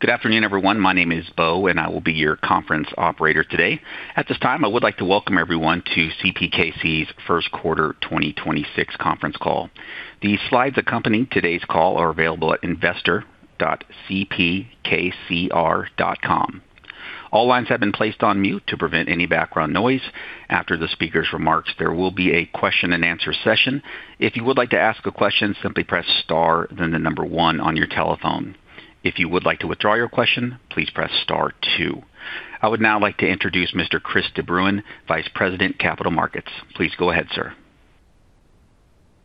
Good afternoon, everyone. My name is Beau, and I will be your conference operator today. At this time, I would like to welcome everyone to CPKC's Q1 2026 conference call. The slides accompanying today's call are available at investor.cpkcr.com. All lines have been placed on mute to prevent any background noise. After the speaker's remarks, there will be a question-and-answer session. If you would like to ask a question, simply press star one on your telephone. If you would like to withdraw your question, please press star two. I would now like to introduce Mr. Chris de Bruyn, Vice President, Capital Markets. Please go ahead, sir.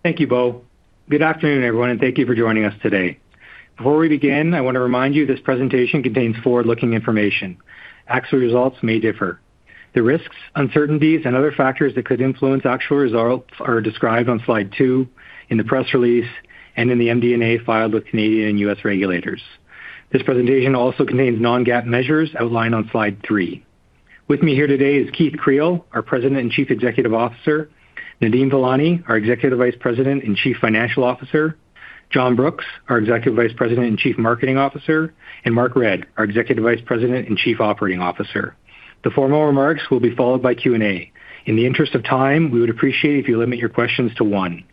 Thank you, Beau. Good afternoon, everyone, and thank you for joining us today. Before we begin, I want to remind you this presentation contains forward-looking information. Actual results may differ. The risks, uncertainties, and other factors that could influence actual results are described on slide two in the press release and in the MD&A filed with Canadian and U.S. regulators. This presentation also contains non-GAAP measures outlined on slide three. With me here today is Keith Creel, our President and Chief Executive Officer; Nadeem Velani, our Executive Vice President and Chief Financial Officer; John Brooks, our Executive Vice President and Chief Marketing Officer; and Mark Redd, our Executive Vice President and Chief Operating Officer. The formal remarks will be followed by Q&A. In the interest of time, we would appreciate if you limit your questions to one.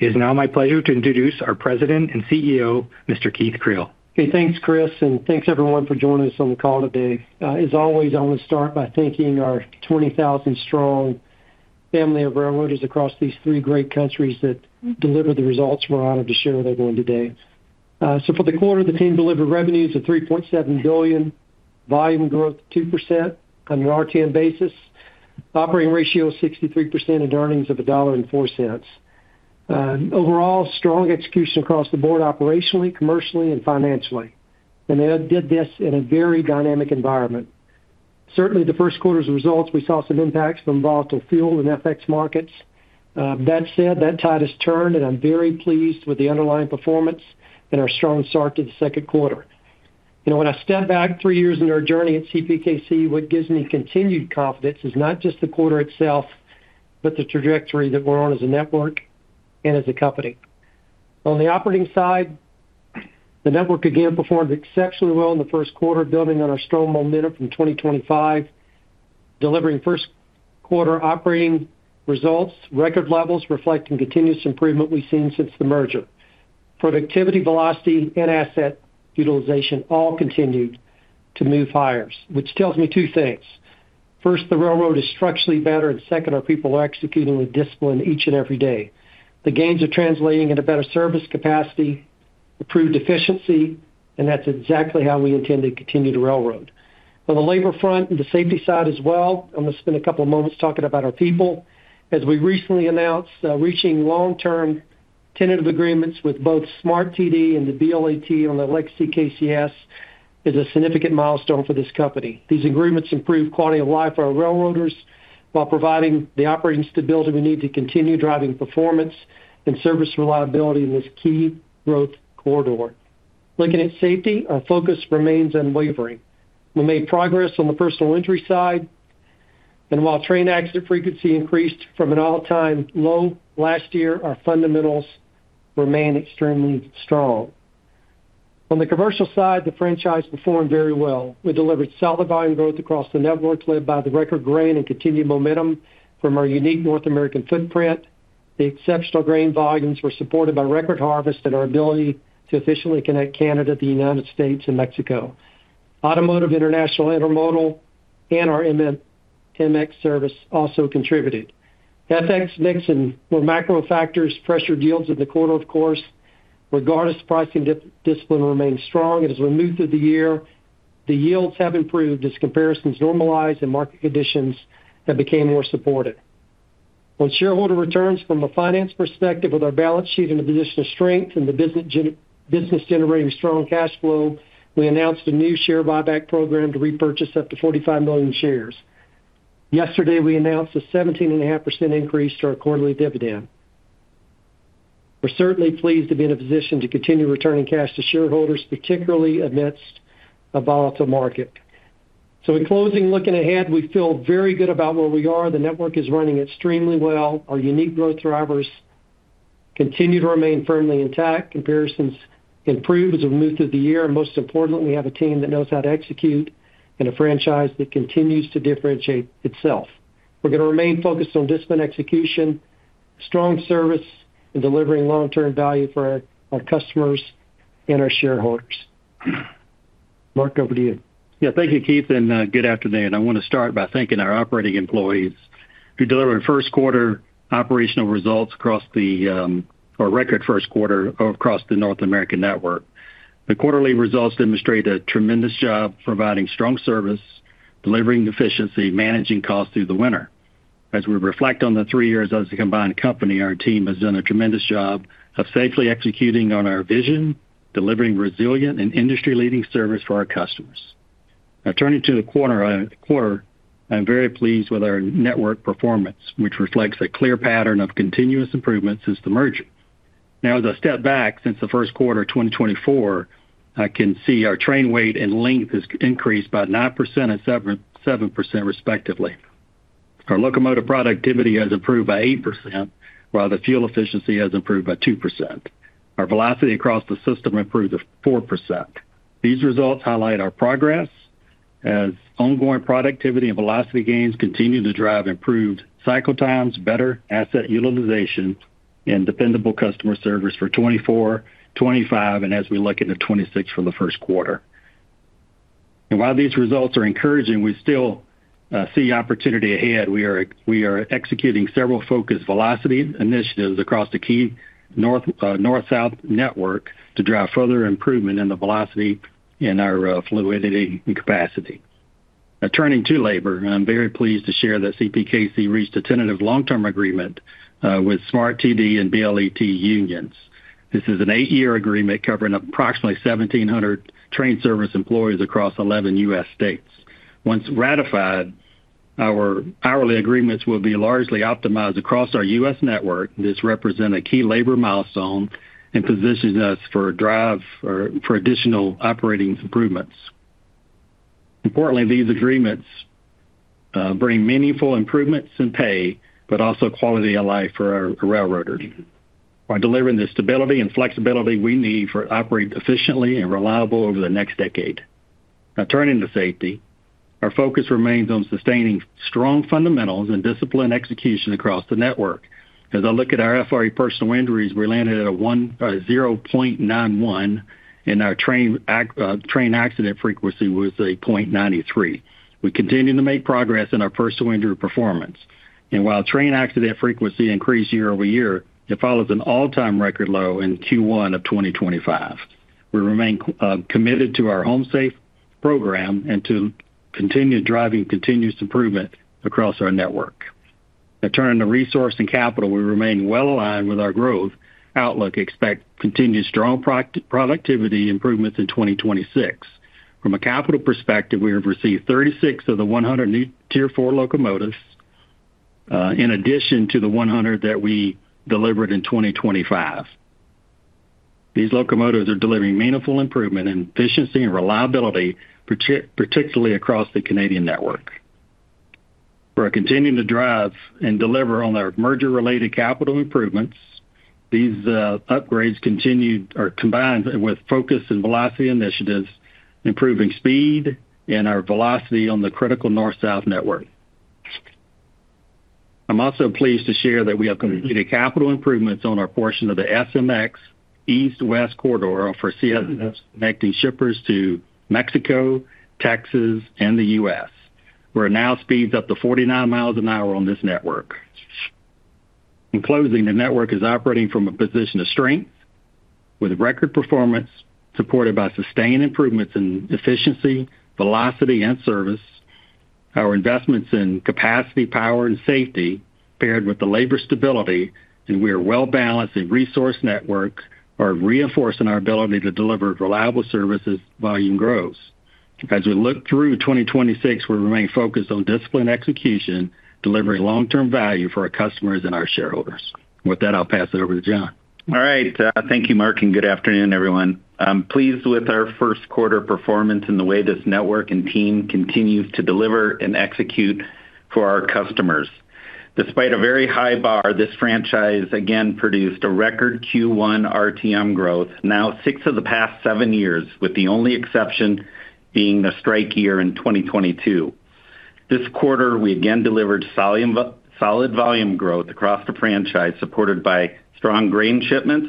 It is now my pleasure to introduce our President and CEO, Mr. Keith Creel. Okay, thanks, Chris. Thanks, everyone, for joining us on the call today. As always, I want to start by thanking our 20,000 strong family of railroaders across these three great countries that deliver the results we're honored to share with everyone today. For the quarter, the team delivered revenues of 3.7 billion, volume growth 2% on an RTM basis, operating ratio 63%, and earnings of 1.04 dollar. Overall, strong execution across the board operationally, commercially, and financially. They did this in a very dynamic environment. Certainly, the Q1 results, we saw some impacts from volatile fuel and FX markets. That said, that tide has turned, and I'm very pleased with the underlying performance and our strong start to the Q2. You know, when I step back three years into our journey at CPKC, what gives me continued confidence is not just the quarter itself, but the trajectory that we're on as a network and as a company. On the operating side, the network again performed exceptionally well in the Q1, building on our strong momentum from 2025, delivering Q1 operating results, record levels reflecting continuous improvement we've seen since the merger. Productivity, velocity, and asset utilization all continued to move higher, which tells me two things. First, the railroad is structurally better. Second, our people are executing with discipline each and every day. The gains are translating into better service capacity, improved efficiency, and that's exactly how we intend to continue to railroad. On the labor front and the safety side as well, I'm gonna spend a couple of moments talking about our people. As we recently announced, reaching long-term tentative agreements with both SMART-TD and the BLET on the legacy KCS is a significant milestone for this company. These agreements improve quality of life for our railroaders while providing the operating stability we need to continue driving performance and service reliability in this key growth corridor. Looking at safety, our focus remains unwavering. We made progress on the personal injury side, and while train accident frequency increased from an all-time low last year, our fundamentals remain extremely strong. The franchise performed very well. We delivered solid volume growth across the networks led by the record grain and continued momentum from our unique North American footprint. The exceptional grain volumes were supported by record harvest and our ability to efficiently connect Canada, the U.S., and Mexico. Automotive, international intermodal, and our MMX service also contributed. FX, mix, and where macro factors pressured yields in the quarter, of course, regardless, pricing discipline remained strong. As we move through the year, the yields have improved as comparisons normalized and market conditions have become more supported. On shareholder returns from a finance perspective with our balance sheet in a position of strength and the business generating strong cash flow, we announced a new share buyback program to repurchase up to 45 million shares. Yesterday, we announced a 17.5% increase to our quarterly dividend. We're certainly pleased to be in a position to continue returning cash to shareholders, particularly amidst a volatile market. In closing, looking ahead, we feel very good about where we are. The network is running extremely well. Our unique growth drivers continue to remain firmly intact. Comparisons improve as we move through the year. Most importantly, we have a team that knows how to execute and a franchise that continues to differentiate itself. We're gonna remain focused on disciplined execution, strong service, and delivering long-term value for our customers and our shareholders. Mark, over to you. Yeah. Thank you, Keith, and good afternoon. I wanna start by thanking our operating employees who delivered Q1 operational results across the record Q1 across the North American network. The quarterly results demonstrate a tremendous job providing strong service, delivering efficiency, managing costs through the winter. As we reflect on the three years as a combined company, our team has done a tremendous job of safely executing on our vision, delivering resilient and industry-leading service to our customers. Now turning to the quarter, I'm very pleased with our network performance, which reflects a clear pattern of continuous improvement since the merger. Now as I step back since the Q1 of 2024, I can see our train weight and length has increased by 9% and 7% respectively. Our locomotive productivity has improved by 8%, while the fuel efficiency has improved by 2%. Our velocity across the system improved to 4%. These results highlight our progress as ongoing productivity and velocity gains continue to drive improved cycle times, better asset utilization, and dependable customer service for 2024, 2025, and as we look into 2026 for the Q1. While these results are encouraging, we still see opportunity ahead. We are executing several focused velocity initiatives across the key north-south network to drive further improvement in the velocity in our fluidity and capacity. Now, turning to labor, I'm very pleased to share that CPKC reached a tentative 8-year agreement with SMART-TD and BLET unions. This is an 8-year agreement covering approximately 1,700 train service employees across 11 U.S. states. Once ratified, our hourly agreements will be largely optimized across our U.S. network. This represent a key labor milestone and positions us for a drive for additional operating improvements. Importantly, these agreements bring meaningful improvements in pay, but also quality of life for our railroaders while delivering the stability and flexibility we need for operating efficiently and reliable over the next decade. Now, turning to safety, our focus remains on sustaining strong fundamentals and disciplined execution across the network. As I look at our FRA personal injuries, we landed at a 0.91, and our train accident frequency was a 0.93. We're continuing to make progress in our personal injury performance. While train accident frequency increased year-over-year, it follows an all-time record low in Q1 of 2025. We remain committed to our Home Safe program and to continue driving continuous improvement across our network. Turning to resource and capital, we remain well-aligned with our growth outlook, expect continued strong productivity improvements in 2026. From a capital perspective, we have received 36 of the 100 new Tier 4 locomotives, in addition to the 100 that we delivered in 2025. These locomotives are delivering meaningful improvement in efficiency and reliability, particularly across the Canadian network. We're continuing to drive and deliver on our merger-related capital improvements. These upgrades continue or combines with focus and velocity initiatives, improving speed and our velocity on the critical North South network. I'm also pleased to share that we have completed capital improvements on our portion of the SMX East West corridor for connecting shippers to Mexico, Texas, and the U.S. We're now speeds up to 49 miles an hour on this network. In closing, the network is operating from a position of strength with record performance supported by sustained improvements in efficiency, velocity, and service. Our investments in capacity, power, and safety, paired with the labor stability and we are well-balanced in resource network, are reinforcing our ability to deliver reliable services volume growth. As we look through 2026, we remain focused on disciplined execution, delivering long-term value for our customers and our shareholders. With that, I'll pass it over to John. All right. Thank you, Mark, and good afternoon, everyone. I'm pleased with our Q1 performance and the way this network and team continues to deliver and execute for our customers. Despite a very high bar, this franchise again produced a record Q1 RTM growth, now six of the past seven years, with the only exception being the strike year in 2022. This quarter, we again delivered solid volume growth across the franchise, supported by strong grain shipments,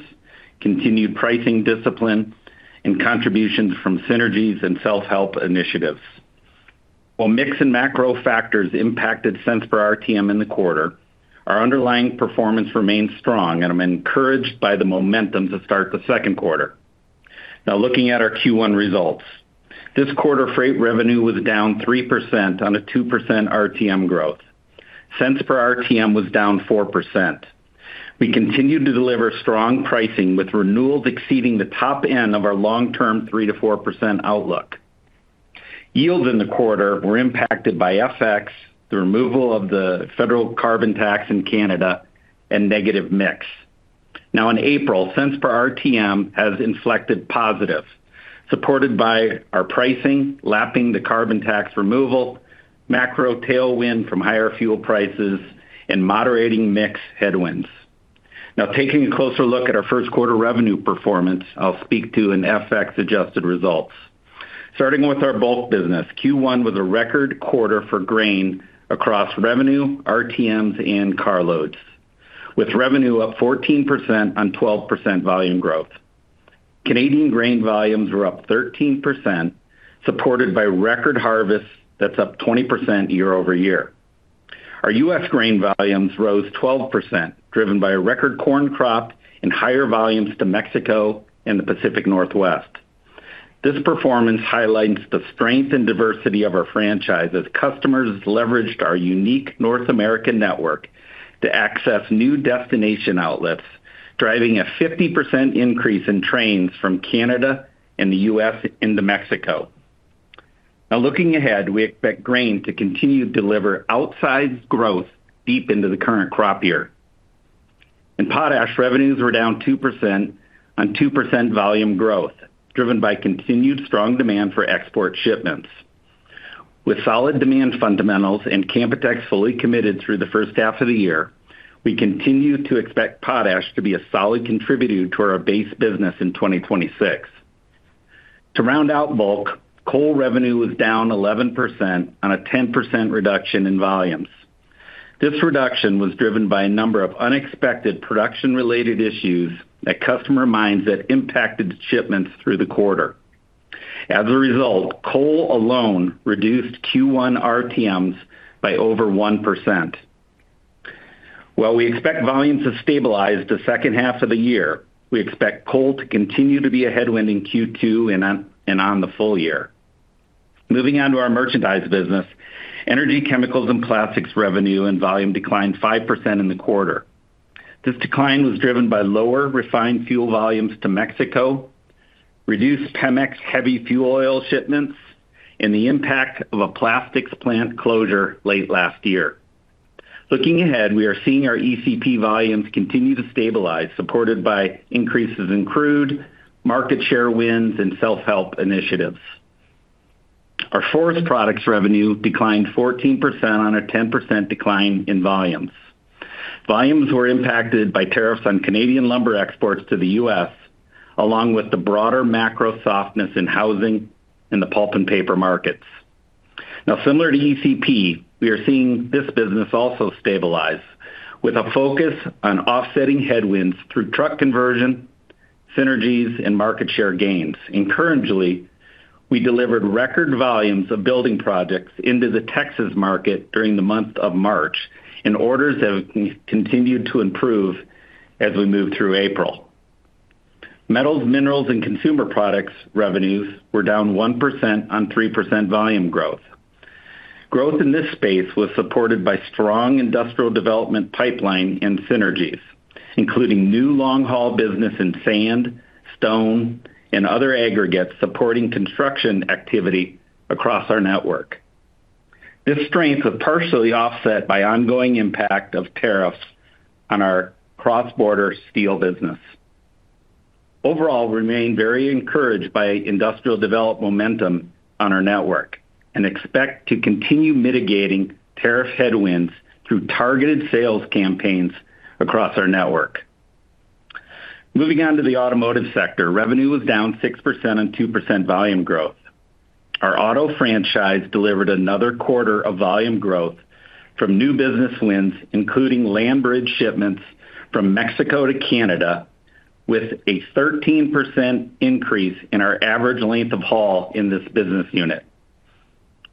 continued pricing discipline, and contributions from synergies and self-help initiatives. While mix and macro factors impacted cents per RTM in the quarter, our underlying performance remains strong, and I'm encouraged by the momentum to start the Q2. Looking at our Q1 results. This quarter, freight revenue was down 3% on a 2% RTM growth. Cents per RTM was down 4%. We continued to deliver strong pricing, with renewals exceeding the top end of our long-term 3%-4% outlook. Yields in the quarter were impacted by FX, the removal of the federal carbon tax in Canada, and negative mix. In April, cents per RTM has inflected positive, supported by our pricing, lapping the carbon tax removal, macro tailwind from higher fuel prices, and moderating mix headwinds. Taking a closer look at our Q1 revenue performance, I'll speak to an FX-adjusted results. Starting with our bulk business, Q1 was a record quarter for grain across revenue, RTMs, and car loads, with revenue up 14% on 12% volume growth. Canadian grain volumes were up 13%, supported by record harvest that's up 20% year-over-year. Our U.S. grain volumes rose 12%, driven by a record corn crop and higher volumes to Mexico and the Pacific Northwest. This performance highlights the strength and diversity of our franchise as customers leveraged our unique North American network to access new destination outlets, driving a 50% increase in trains from Canada and the U.S. into Mexico. Looking ahead, we expect grain to continue to deliver outsized growth deep into the current crop year. In potash, revenues were down 2% on 2% volume growth, driven by continued strong demand for export shipments. With solid demand fundamentals and Canpotex fully committed through the H1 of the year, we continue to expect potash to be a solid contributor to our base business in 2026. To round out bulk, coal revenue was down 11% on a 10% reduction in volumes. This reduction was driven by a number of unexpected production-related issues at customer mines that impacted the shipments through the quarter. As a result, coal alone reduced Q1 RTMs by over 1%. While we expect volumes to stabilize the H2 of the year, we expect coal to continue to be a headwind in Q2 and on, and on the full year. Moving on to our merchandise business, Energy, Chemicals, and Plastics revenue and volume declined 5% in the quarter. This decline was driven by lower refined fuel volumes to Mexico, reduced Pemex heavy fuel oil shipments, and the impact of a plastics plant closure late last year. Looking ahead, we are seeing our ECP volumes continue to stabilize, supported by increases in crude, market share wins, and self-help initiatives. Our forest products revenue declined 14% on a 10% decline in volumes. Volumes were impacted by tariffs on Canadian lumber exports to the U.S., along with the broader macro softness in housing in the pulp and paper markets. Similar to ECP, we are seeing this business also stabilize with a focus on offsetting headwinds through truck conversion, synergies, and market share gains. Encouragingly, we delivered record volumes of building projects into the Texas market during the month of March, and orders have continued to improve as we move through April. Metals, minerals, and consumer products revenues were down 1% on 3% volume growth. Growth in this space was supported by strong industrial development pipeline and synergies, including new long-haul business in sand, stone, and other aggregates supporting construction activity across our network. This strength was partially offset by ongoing impact of tariffs on our cross-border steel business. Overall, remain very encouraged by industrial developed momentum on our network and expect to continue mitigating tariff headwinds through targeted sales campaigns across our network. Moving on to the automotive sector, revenue was down 6% on 2% volume growth. Our auto franchise delivered another quarter of volume growth from new business wins, including land bridge shipments from Mexico to Canada with a 13% increase in our average length of haul in this business unit.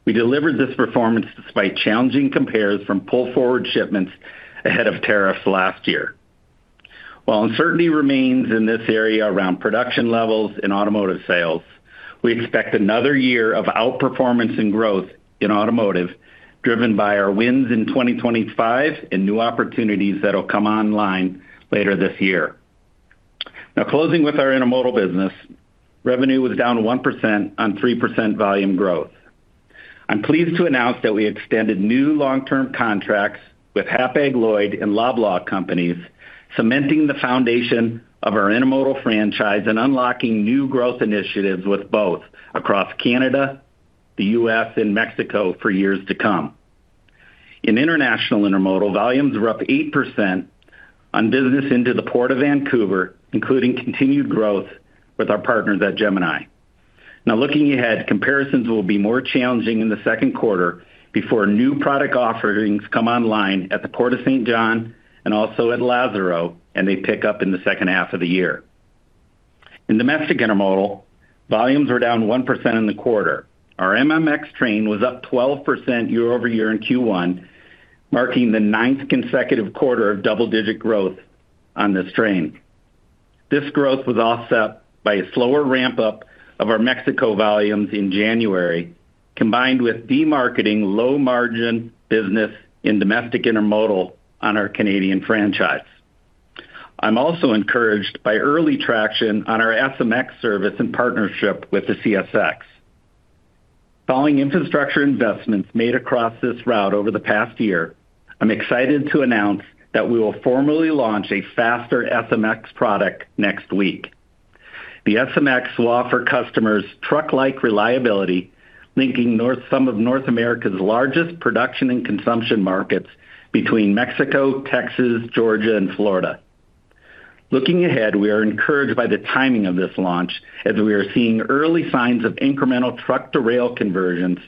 We delivered this performance despite challenging compares from pull-forward shipments ahead of tariffs last year. While uncertainty remains in this area around production levels in automotive sales, we expect another year of outperformance and growth in automotive, driven by our wins in 2025 and new opportunities that'll come online later this year. Now closing with our intermodal business, revenue was down 1% on 3% volume growth. I'm pleased to announce that we extended new long-term contracts with Hapag-Lloyd and Loblaw Companies, cementing the foundation of our intermodal franchise and unlocking new growth initiatives with both across Canada, the U.S., and Mexico for years to come. In international intermodal, volumes were up 8% on business into the Port of Vancouver, including continued growth with our partners at Gemini. Looking ahead, comparisons will be more challenging in the Q2 before new product offerings come online at the Port of Saint John and also at Lázaro Cárdenas, and they pick up in the H2 of the year. In domestic intermodal, volumes were down 1% in the quarter. Our MMX train was up 12% year-over-year in Q1, marking the ninth consecutive quarter of double-digit growth on this train. This growth was offset by a slower ramp-up of our Mexico volumes in January, combined with demarketing low-margin business in domestic intermodal on our Canadian franchise. I'm also encouraged by early traction on our SMX service in partnership with the CSX. Following infrastructure investments made across this route over the past year, I'm excited to announce that we will formally launch a faster SMX product next week. The SMX will offer customers truck-like reliability, linking some of North America's largest production and consumption markets between Mexico, Texas, Georgia, and Florida. Looking ahead, we are encouraged by the timing of this launch as we are seeing early signs of incremental truck-to-rail conversions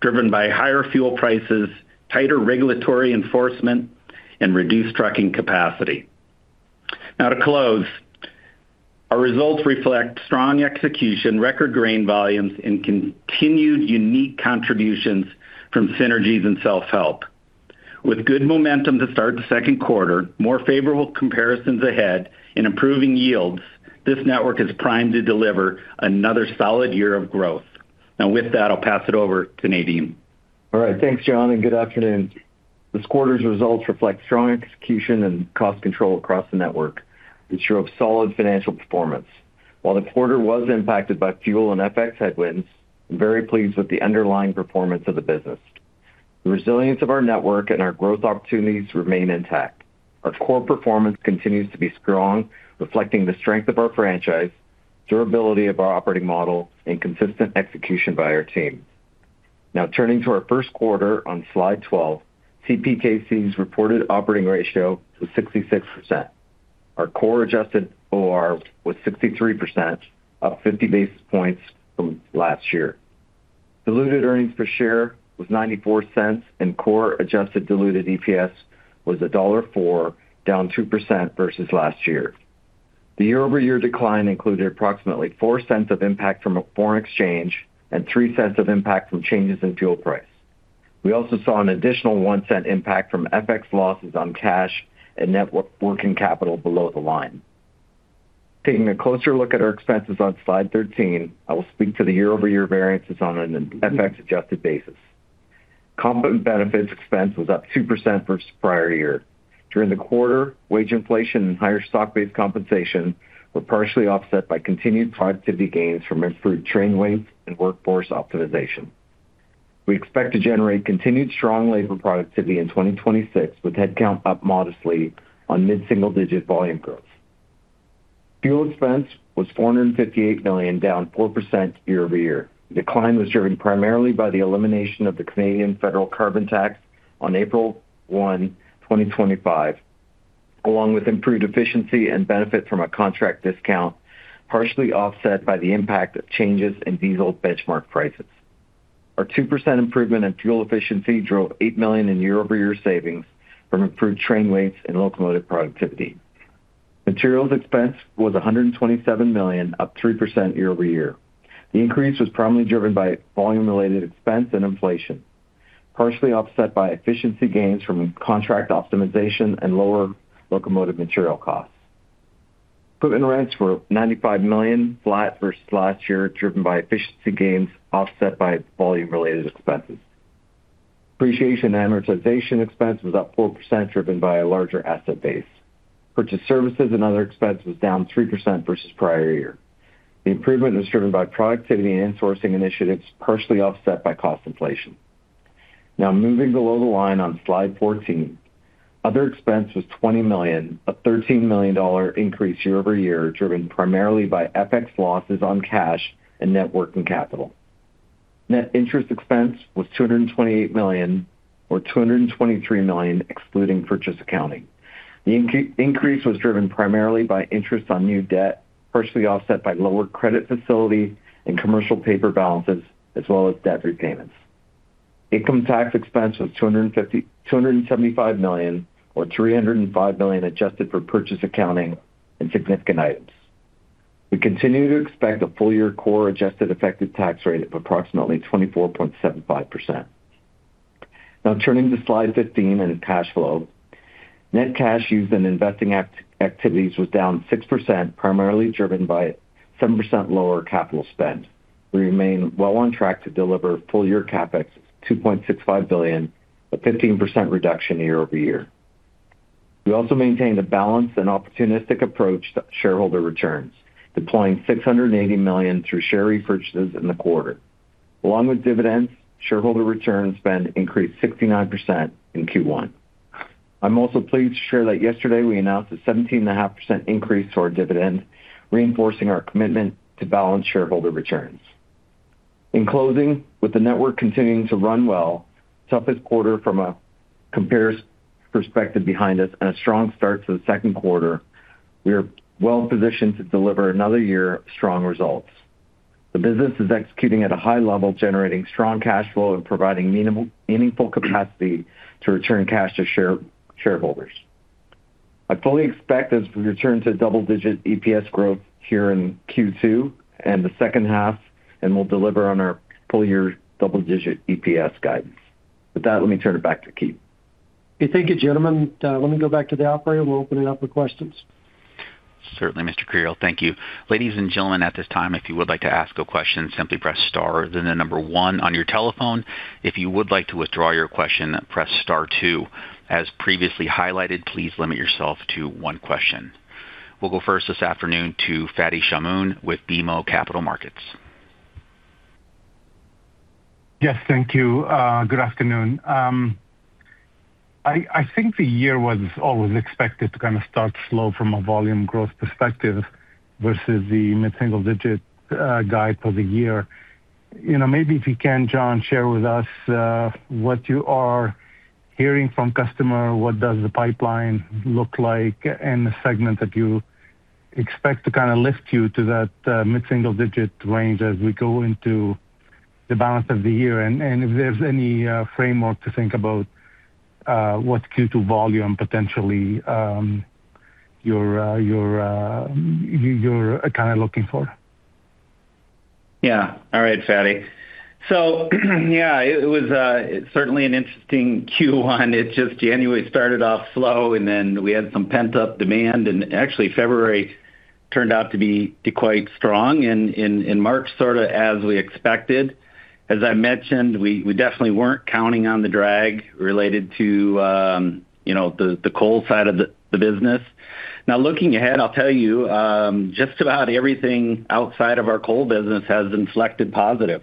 driven by higher fuel prices, tighter regulatory enforcement, and reduced trucking capacity. To close, our results reflect strong execution, record grain volumes, and continued unique contributions from synergies and self-help. With good momentum to start the Q2, more favorable comparisons ahead, and improving yields, this network is primed to deliver another solid year of growth. Now with that, I'll pass it over to Nadeem. All right. Thanks, John, and good afternoon. This quarter's results reflect strong execution and cost control across the network, which drove solid financial performance. While the quarter was impacted by fuel and FX headwinds, I am very pleased with the underlying performance of the business. The resilience of our network and our growth opportunities remain intact. Our core performance continues to be strong, reflecting the strength of our franchise, durability of our operating model, and consistent execution by our team. Turning to our Q1 on slide 12, CPKC's reported operating ratio was 66%. Our core adjusted OR was 63%, up 50 basis points from last year. Diluted earnings per share was 0.94, and core adjusted diluted EPS was dollar 1.04, down 2% versus last year. The year-over-year decline included approximately 0.04 of impact from a foreign exchange and 0.03 of impact from changes in fuel price. We also saw an additional 0.01 impact from FX losses on cash and working capital below the line. Taking a closer look at our expenses on slide 13, I will speak to the year-over-year variances on an FX-adjusted basis. Comp and benefits expense was up 2% versus prior year. During the quarter, wage inflation and higher stock-based compensation were partially offset by continued productivity gains from improved train weights and workforce optimization. We expect to generate continued strong labor productivity in 2026, with headcount up modestly on mid-single digit volume growth. Fuel expense was 458 million, down 4% year-over-year. The decline was driven primarily by the elimination of the Canadian federal carbon tax on April 1, 2025, along with improved efficiency and benefit from a contract discount, partially offset by the impact of changes in diesel benchmark prices. Our 2% improvement in fuel efficiency drove 8 million in year-over-year savings from improved train weights and locomotive productivity. Materials expense was 127 million, up 3% year-over-year. The increase was primarily driven by volume-related expense and inflation, partially offset by efficiency gains from contract optimization and lower locomotive material costs. Equipment rents were 95 million, flat versus last year, driven by efficiency gains offset by volume-related expenses. Depreciation and amortization expense was up 4%, driven by a larger asset base. Purchased services and other expense was down 3% versus prior year. The improvement was driven by productivity and insourcing initiatives, partially offset by cost inflation. Moving below the line on Slide 14, other expense was 20 million, a 13 million dollar increase year-over-year, driven primarily by FX losses on cash and net working capital. Net interest expense was 228 million, or 223 million excluding purchase accounting. The increase was driven primarily by interest on new debt, partially offset by lower credit facility and commercial paper balances, as well as debt repayments. Income tax expense was 275 million or 305 million adjusted for purchase accounting and significant items. We continue to expect a full-year core adjusted effective tax rate of approximately 24.75%. Turning to Slide 15 and cash flow. Net cash used in investing activities was down 6%, primarily driven by 7% lower capital spend. We remain well on track to deliver full-year CapEx of 2.65 billion, a 15% reduction year-over-year. We also maintained a balanced and opportunistic approach to shareholder returns, deploying 680 million through share repurchases in the quarter. Along with dividends, shareholder return spend increased 69% in Q1. I'm also pleased to share that yesterday we announced a 17.5% increase to our dividend, reinforcing our commitment to balanced shareholder returns. In closing, with the network continuing to run well, toughest quarter from a comparison perspective behind us and a strong start to the Q2, we are well-positioned to deliver another year of strong results. The business is executing at a high level, generating strong cash flow and providing meaningful capacity to return cash to shareholders. I fully expect as we return to double-digit EPS growth here in Q2 and the H2, and we'll deliver on our full-year double-digit EPS guidance. With that, let me turn it back to Keith. Okay. Thank you, gentlemen. Let me go back to the operator. We'll open it up for questions. Certainly, Mr. Creel. Thank you. Ladies and gentlemen, at this time if you would like to ask a question, simply press star then number one on your telephone. If you would like to withdraw your question, please press star two. As previously highlighted, please limit yourself to one question. We'll go first this afternoon to Fadi Chamoun with BMO Capital Markets. Yes, thank you. Good afternoon. I think the year was always expected to kind of start slow from a volume growth perspective versus the mid-single-digit guide for the year. You know, maybe if you can, John, share with us, what you are hearing from customer, what does the pipeline look like, and the segment that you expect to kind of lift you to that mid-single-digit range as we go into the balance of the year, and if there's any framework to think about what Q2 volume potentially you're kind of looking for. All right, Fadi. It was certainly an interesting Q1. It just genuinely started off slow, then we had some pent-up demand, actually February turned out to be quite strong in March, sort of as we expected. As I mentioned, we definitely weren't counting on the drag related to, you know, the coal side of the business. Looking ahead, I'll tell you, just about everything outside of our coal business has inflected positive.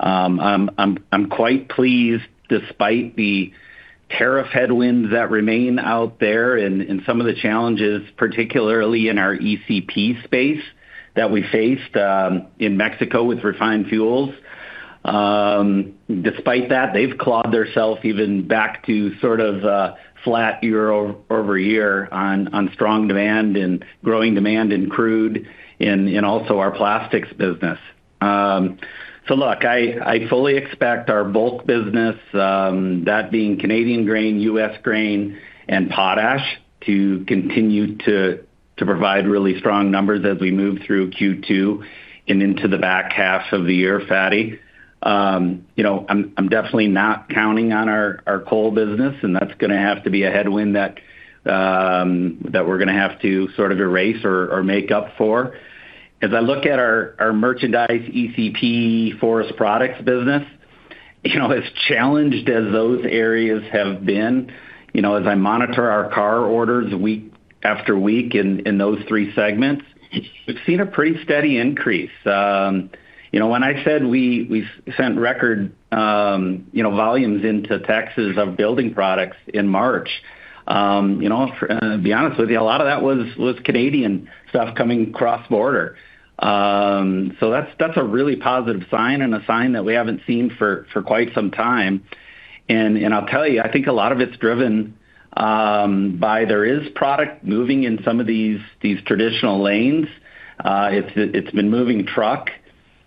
I'm quite pleased despite the tariff headwinds that remain out there and some of the challenges, particularly in our ECP space that we faced in Mexico with refined fuels. Despite that, they've clawed themselves even back to sort of flat year over year on strong demand and growing demand in crude in also our plastics business. Look, I fully expect our bulk business, that being Canadian grain, U.S. grain, and potash to continue to provide really strong numbers as we move through Q2 and into the back half of the year, Fadi. You know, I'm definitely not counting on our coal business, and that's gonna have to be a headwind that we're gonna have to sort of erase or make up for. As I look at our merchandise ECP forest products business, you know, as challenged as those areas have been, you know, as I monitor our car orders week after week in those three segments, we've seen a pretty steady increase. You know, when I said we sent record, you know, volumes into Texas of building products in March, you know, to be honest with you, a lot of that was Canadian stuff coming across the border. That's a really positive sign and a sign that we haven't seen for quite some time. I'll tell you, I think a lot of it's driven by there is product moving in some of these traditional lanes. It's been moving truck.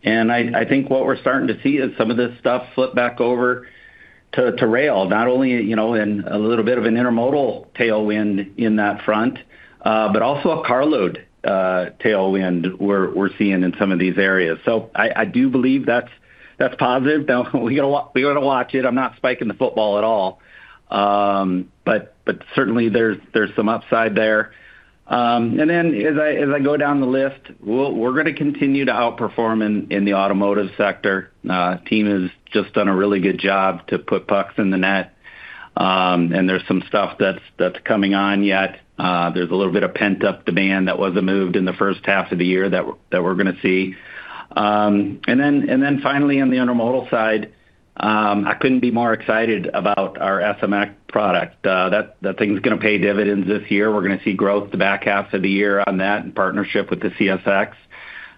I think what we're starting to see is some of this stuff flip back over to rail, not only, you know, in a little bit of an intermodal tailwind in that front, but also a carload tailwind we're seeing in some of these areas. I do believe that's positive. Now we gotta watch it. I'm not spiking the football at all. Certainly there's some upside there. As I go down the list, we're gonna continue to outperform in the automotive sector. Team has just done a really good job to put pucks in the net. There's some stuff that's coming on yet. There's a little bit of pent-up demand that wasn't moved in the H1 of the year that we're, that we're gonna see. Finally on the intermodal side, I couldn't be more excited about our SMX product. That, that thing's gonna pay dividends this year. We're gonna see growth the back half of the year on that in partnership with the CSX.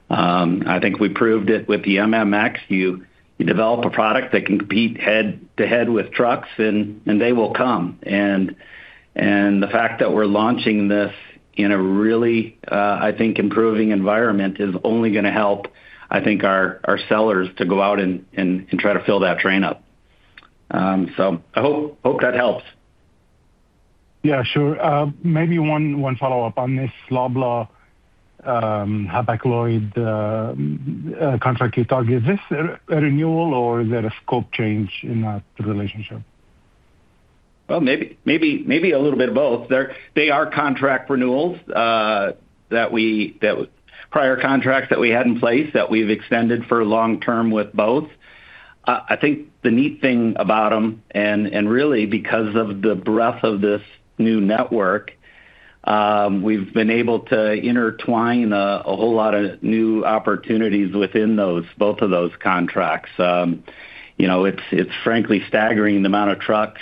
I think we proved it with the MMX. You, you develop a product that can compete head to head with trucks and they will come. The fact that we're launching this in a really, I think improving environment is only gonna help, I think, our sellers to go out and try to fill that train up. I hope that helps. Yeah, sure. Maybe one follow-up on this Loblaw, Hapag-Lloyd contract you talked. Is this a renewal, or is there a scope change in that relationship? Well, maybe a little bit of both. They are contract renewals, that prior contracts that we had in place that we've extended for long term with both. I think the neat thing about them, and really because of the breadth of this new network, we've been able to intertwine a whole lot of new opportunities within those, both of those contracts. You know, it's frankly staggering the amount of trucks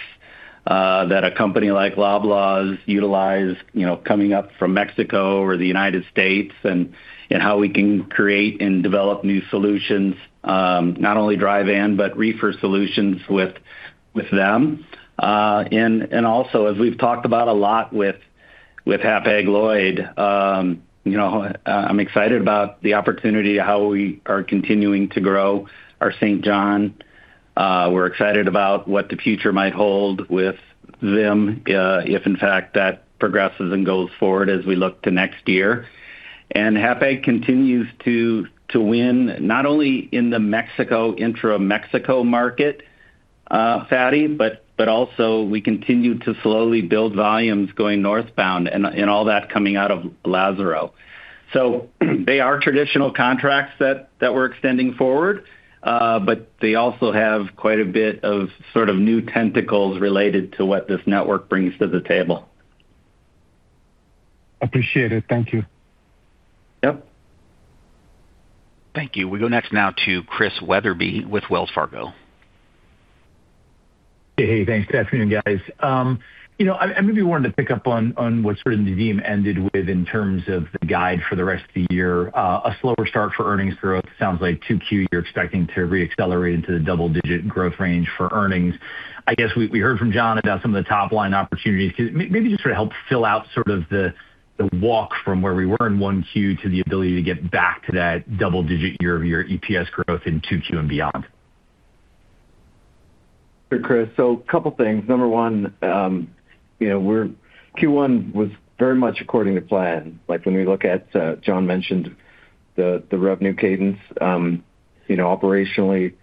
that a company like Loblaws utilize, you know, coming up from Mexico or the United States and how we can create and develop new solutions, not only dry van, but reefer solutions with them. Also as we've talked about a lot with Hapag-Lloyd, you know, I'm excited about the opportunity, how we are continuing to grow our Saint John. We're excited about what the future might hold with them, if in fact that progresses and goes forward as we look to next year. Hapag continues to win not only in the Mexico intra Mexico market, Fadi, but also we continue to slowly build volumes going northbound and all that coming out of Lazaro. They are traditional contracts that we're extending forward, but they also have quite a bit of sort of new tentacles related to what this network brings to the table. Appreciate it. Thank you. Yep. Thank you. We go next now to Chris Wetherbee with Wells Fargo. Thanks. Good afternoon, guys. You know, I maybe wanted to pick up on what sort of Nadeem ended with in terms of the guide for the rest of the year. A slower start for earnings growth. Sounds like Q2 you're expecting to re-accelerate into the double-digit growth range for earnings. I guess we heard from John about some of the top-line opportunities. Maybe just sort of help fill out the walk from where we were in Q1 to the ability to get back to that double-digit year-over-year EPS growth in Q2 and beyond. Sure, Chris. 2 things. Number 1, you know, Q1 was very much according to plan. Like when we look at, John mentioned the revenue cadence, you know, operationally,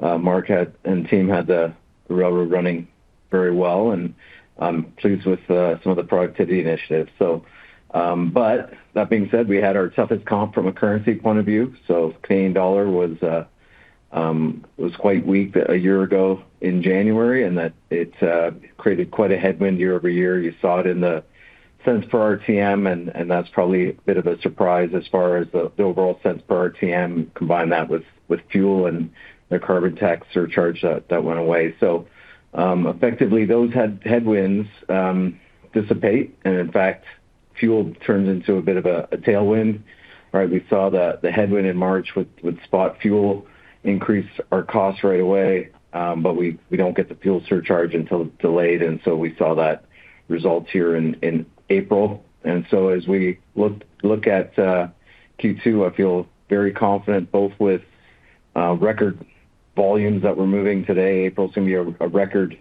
Mark and team had the railroad running very well, and I'm pleased with some of the productivity initiatives. That being said, we had our toughest comp from a currency point of view. Canadian dollar was quite weak a year ago in January, and that it created quite a headwind year-over-year. You saw it in the cents per RTM, and that's probably a bit of a surprise as far as the overall cents per RTM. Combine that with fuel and the carbon tax surcharge that went away. Effectively, those headwinds dissipate and in fact fuel turns into a bit of a tailwind. Right? We saw the headwind in March with spot fuel increase our costs right away, but we don't get the fuel surcharge until it's delayed, and so we saw that result here in April. As we look at Q2, I feel very confident both with record volumes that we're moving today. April's gonna be a record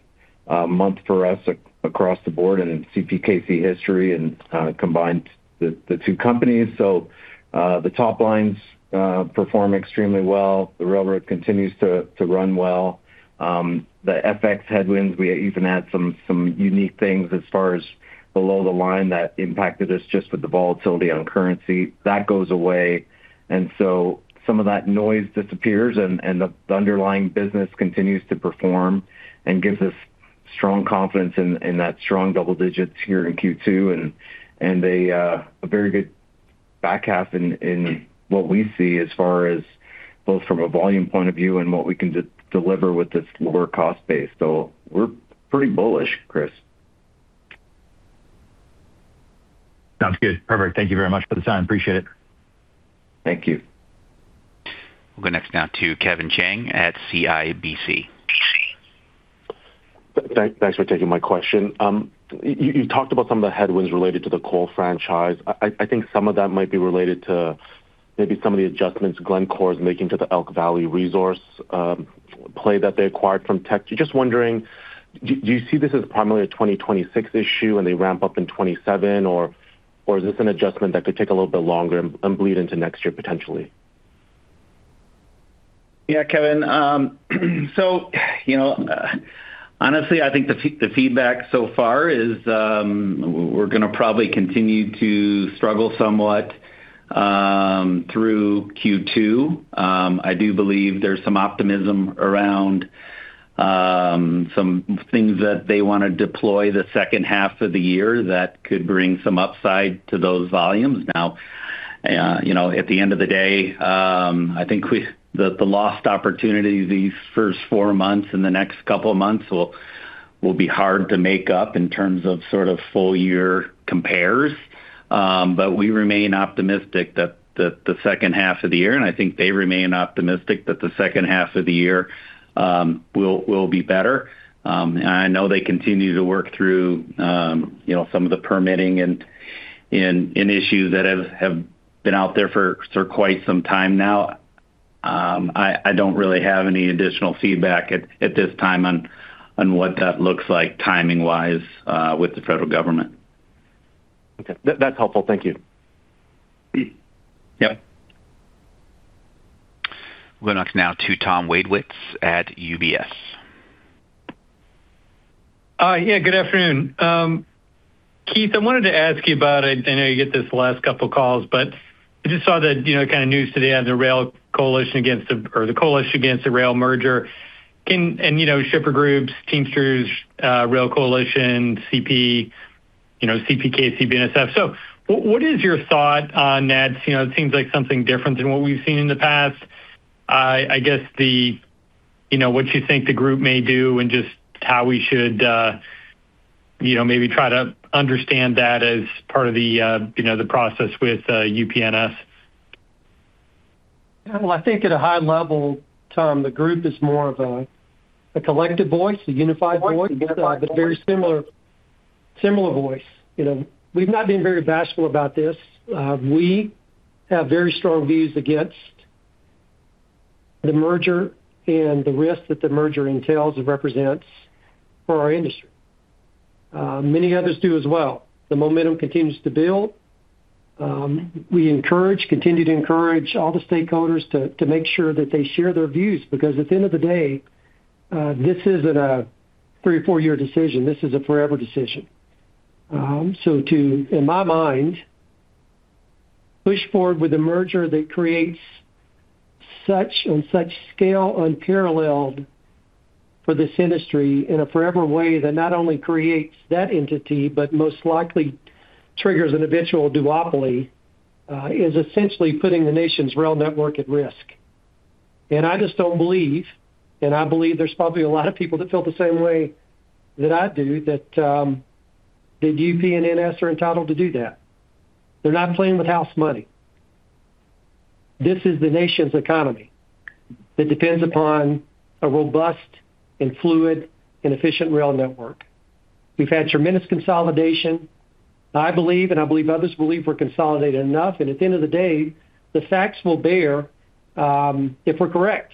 month for us across the board and in CPKC history and combined the two companies. The top lines perform extremely well. The railroad continues to run well. The FX headwinds, we even had some unique things as far as below the line that impacted us just with the volatility on currency. That goes away. Some of that noise disappears, and the underlying business continues to perform and gives us strong confidence in that strong double digits here in Q2 and a very good back half in what we see as far as both from a volume point of view and what we can de-deliver with this lower cost base. We're pretty bullish, Chris. Sounds good. Perfect. Thank you very much for the time. Appreciate it. Thank you. We'll go next now to Kevin Chiang at CIBC. Thanks for taking my question. You talked about some of the headwinds related to the coal franchise. I think some of that might be related to maybe some of the adjustments Glencore is making to the Elk Valley Resources play that they acquired from Teck. Just wondering, do you see this as primarily a 2026 issue and they ramp up in 2027, or is this an adjustment that could take a little bit longer and bleed into next year potentially? Yeah, Kevin. You know, honestly, I think the feedback so far is, we're gonna probably continue to struggle somewhat through Q2. I do believe there's some optimism around some things that they wanna deploy the H2 of the year that could bring some upside to those volumes. You know, at the end of the day, I think the lost opportunity these first four months and the next couple of months will be hard to make up in terms of sort of full year compares. We remain optimistic that the H2 of the year, and I think they remain optimistic that the H2 of the year, will be better. I know they continue to work through, you know, some of the permitting and issues that have been out there for quite some time now. I don't really have any additional feedback at this time on what that looks like timing-wise, with the federal government. Okay. That's helpful. Thank you. Yep. We'll go next now to Tom Wadewitz at UBS. Yeah. Good afternoon. Keith, I wanted to ask you about. I know you get this the last couple of calls, but I just saw the, you know, kind of news today on the rail coalition against the coalition against the rail merger. You know, shipper groups, teamsters, rail coalition, CP, you know, CPKC, BNSF. What is your thought on that? You know, it seems like something different than what we've seen in the past. I guess the, you know, what you think the group may do and just how we should, you know, maybe try to understand that as part of the, you know, the process with, UP-NS. Well, I think at a high level, Tom, the group is more of a collective voice, a unified voice. It's a very similar voice. You know, we've not been very bashful about this. We have very strong views against the merger and the risk that the merger entails and represents for our industry. Many others do as well. The momentum continues to build. We continue to encourage all the stakeholders to make sure that they share their views because at the end of the day, this isn't a 3 or 4-year decision. This is a forever decision. To, in my mind, push forward with a merger that creates such on such scale unparalleled for this industry in a forever way that not only creates that entity but most likely triggers an eventual duopoly, is essentially putting the nation's rail network at risk. I just don't believe, and I believe there's probably a lot of people that feel the same way that I do, that UP and NS are entitled to do that. They're not playing with house money. This is the nation's economy that depends upon a robust and fluid and efficient rail network. We've had tremendous consolidation. I believe, and I believe others believe we're consolidated enough, and at the end of the day, the facts will bear, if we're correct.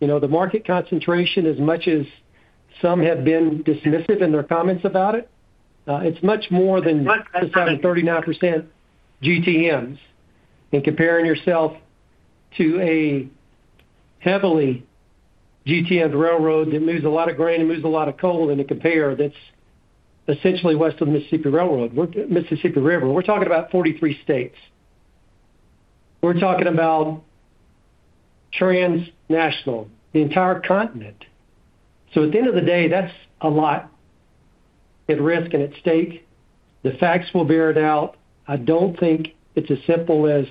You know, the market concentration, as much as some have been dismissive in their comments about it's much more than just having 39% GTMs and comparing yourself to a Heavily GTF railroad that moves a lot of grain and moves a lot of coal in a compare that's essentially west of Mississippi Railroad. We're Mississippi River. We're talking about 43 states. We're talking about transnational, the entire continent. So at the end of the day, that's a lot at risk and at stake. The facts will bear it out. I don't think it's as simple as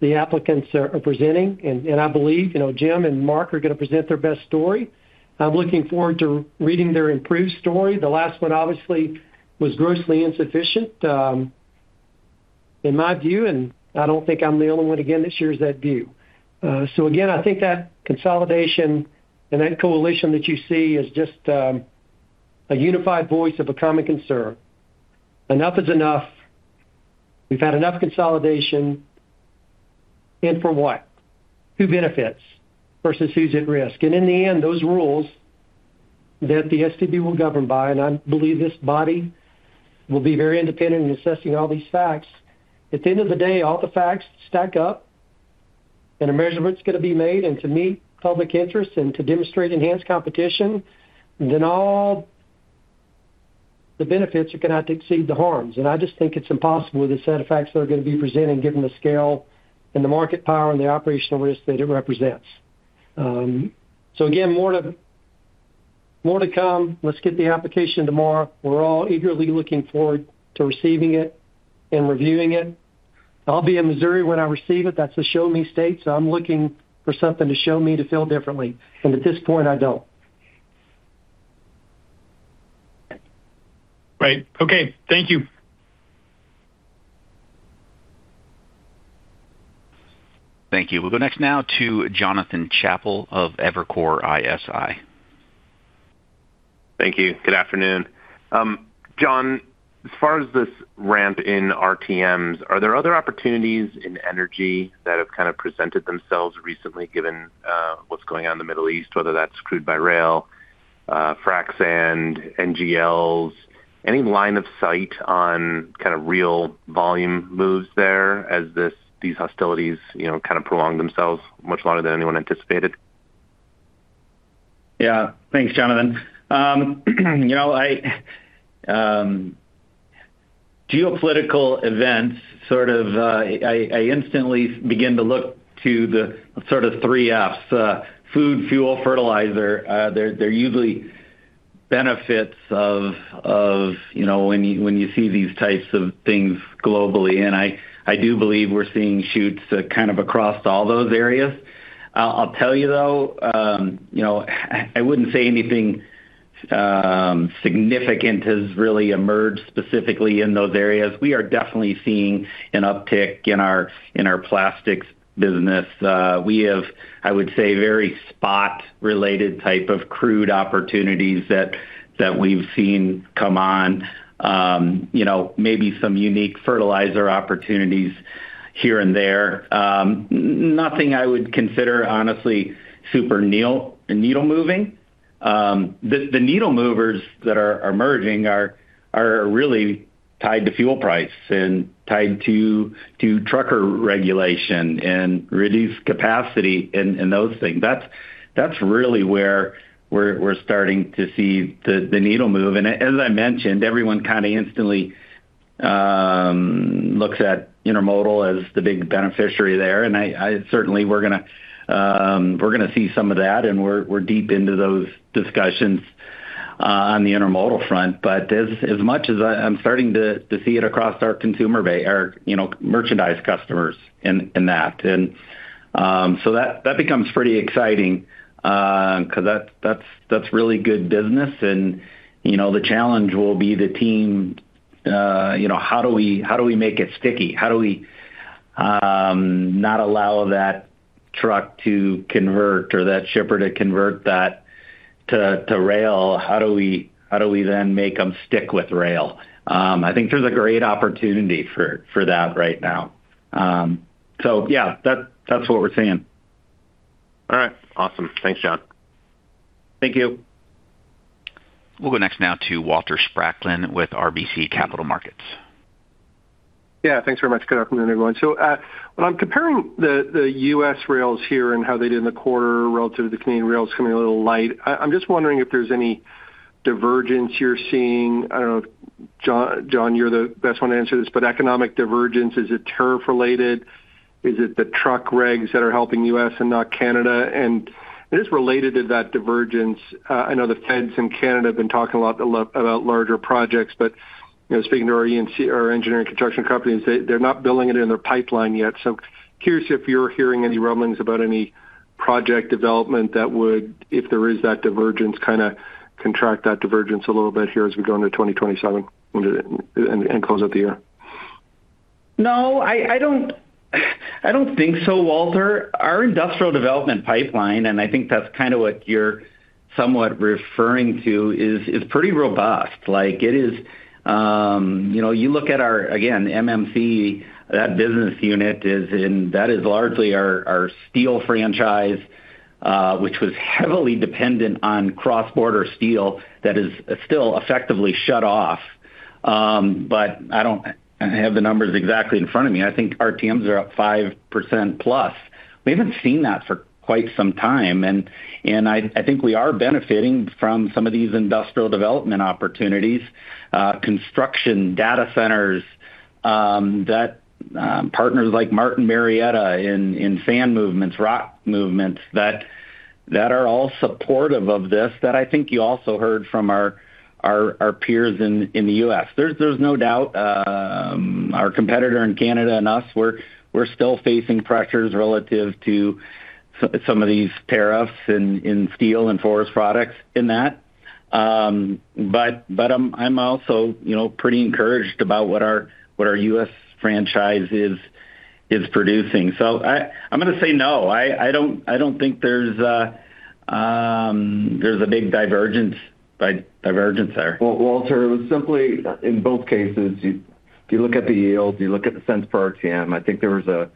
the applicants are presenting. I believe, you know, Jim and Mark are going to present their best story. I'm looking forward to reading their improved story. The last one obviously was grossly insufficient, in my view, and I don't think I'm the only one, again, that shares that view. So again, I think that consolidation and that coalition that you see is just a unified voice of a common concern. Enough is enough. We've had enough consolidation, for what? Who benefits versus who's at risk? In the end, those rules that the STB will govern by, and I believe this body will be very independent in assessing all these facts. At the end of the day, all the facts stack up and a measurement's going to be made, and to meet public interest and to demonstrate enhanced competition, then all the benefits are going to exceed the harms. I just think it's impossible with the set of facts that are going to be presented given the scale and the market power and the operational risk that it represents. Again, more to come. Let's get the application tomorrow. We're all eagerly looking forward to receiving it and reviewing it. I'll be in Missouri when I receive it. That's a show-me state, so I'm looking for something to show me to feel differently. At this point, I don't. Right. Okay. Thank you. Thank you. We'll go next now to Jonathan Chappell of Evercore ISI. Thank you. Good afternoon. John, as far as this ramp in RTMs, are there other opportunities in energy that have kind of presented themselves recently given what's going on in the Middle East, whether that's crude by rail, fracs and NGLs? Any line of sight on kind of real volume moves there as these hostilities, you know, kind of prolong themselves much longer than anyone anticipated? Yeah. Thanks, Jonathan. You know, I instantly begin to look to the sort of three Fs, food, fuel, fertilizer. They're usually benefits of, you know, when you see these types of things globally. I do believe we're seeing shoots kind of across all those areas. I'll tell you though, you know, I wouldn't say anything significant has really emerged specifically in those areas. We are definitely seeing an uptick in our plastics business. We have, I would say, very spot related type of crude opportunities that we've seen come on. You know, maybe some unique fertilizer opportunities here and there. Nothing I would consider honestly super needle moving. The needle movers that are merging are really tied to fuel price and trucker regulation and reduced capacity and those things. That's really where we're starting to see the needle move. As I mentioned, everyone kind of instantly looks at intermodal as the big beneficiary there. I certainly we're gonna see some of that, and we're deep into those discussions on the intermodal front. As much as I'm starting to see it across our consumer base or, you know, merchandise customers in that. That becomes pretty exciting 'cause that's really good business. You know, the challenge will be the team, you know, how do we make it sticky? How do we not allow that truck to convert or that shipper to convert that to rail? How do we then make them stick with rail? I think there's a great opportunity for that right now. Yeah, that's what we're seeing. All right. Awesome. Thanks, John. Thank you. We'll go next now to Walter Spracklin with RBC Capital Markets. Yeah, thanks very much. Good afternoon, everyone. When I'm comparing the U.S. rails here and how they did in the quarter relative to the Canadian rails coming a little light, I'm just wondering if there's any divergence you're seeing. I don't know if John, you're the best one to answer this, economic divergence, is it tariff related? Is it the truck regs that are helping U.S. and not Canada? Just related to that divergence, I know the feds in Canada have been talking a lot about larger projects. You know, speaking to our engineering construction companies, they're not billing it in their pipeline yet. Curious if you're hearing any rumblings about any project development that would, if there is that divergence, kind of contract that divergence a little bit here as we go into 2027 and close out the year. No, I don't think so, Walter. Our industrial development pipeline, and I think that's kind of what you're somewhat referring to, is pretty robust. Like, it is, you know, you look at our, again, MMX, that business unit is largely our steel franchise, which was heavily dependent on cross-border steel that is still effectively shut off. I don't have the numbers exactly in front of me. I think RTMs are up 5% plus. We haven't seen that for quite some time. I think we are benefiting from some of these industrial development opportunities, construction data centers, that are all supportive of this that I think you also heard from our peers in the U.S. There's no doubt, our competitor in Canada and us, we're still facing pressures relative to some of these tariffs in steel and forest products in that. But I'm also, you know, pretty encouraged about what our U.S. franchise is producing. I'm gonna say no. I don't think there's a big divergence there. Well, Walter, it was simply, in both cases, if you look at the yields, you look at the cents per RTM, I think there was a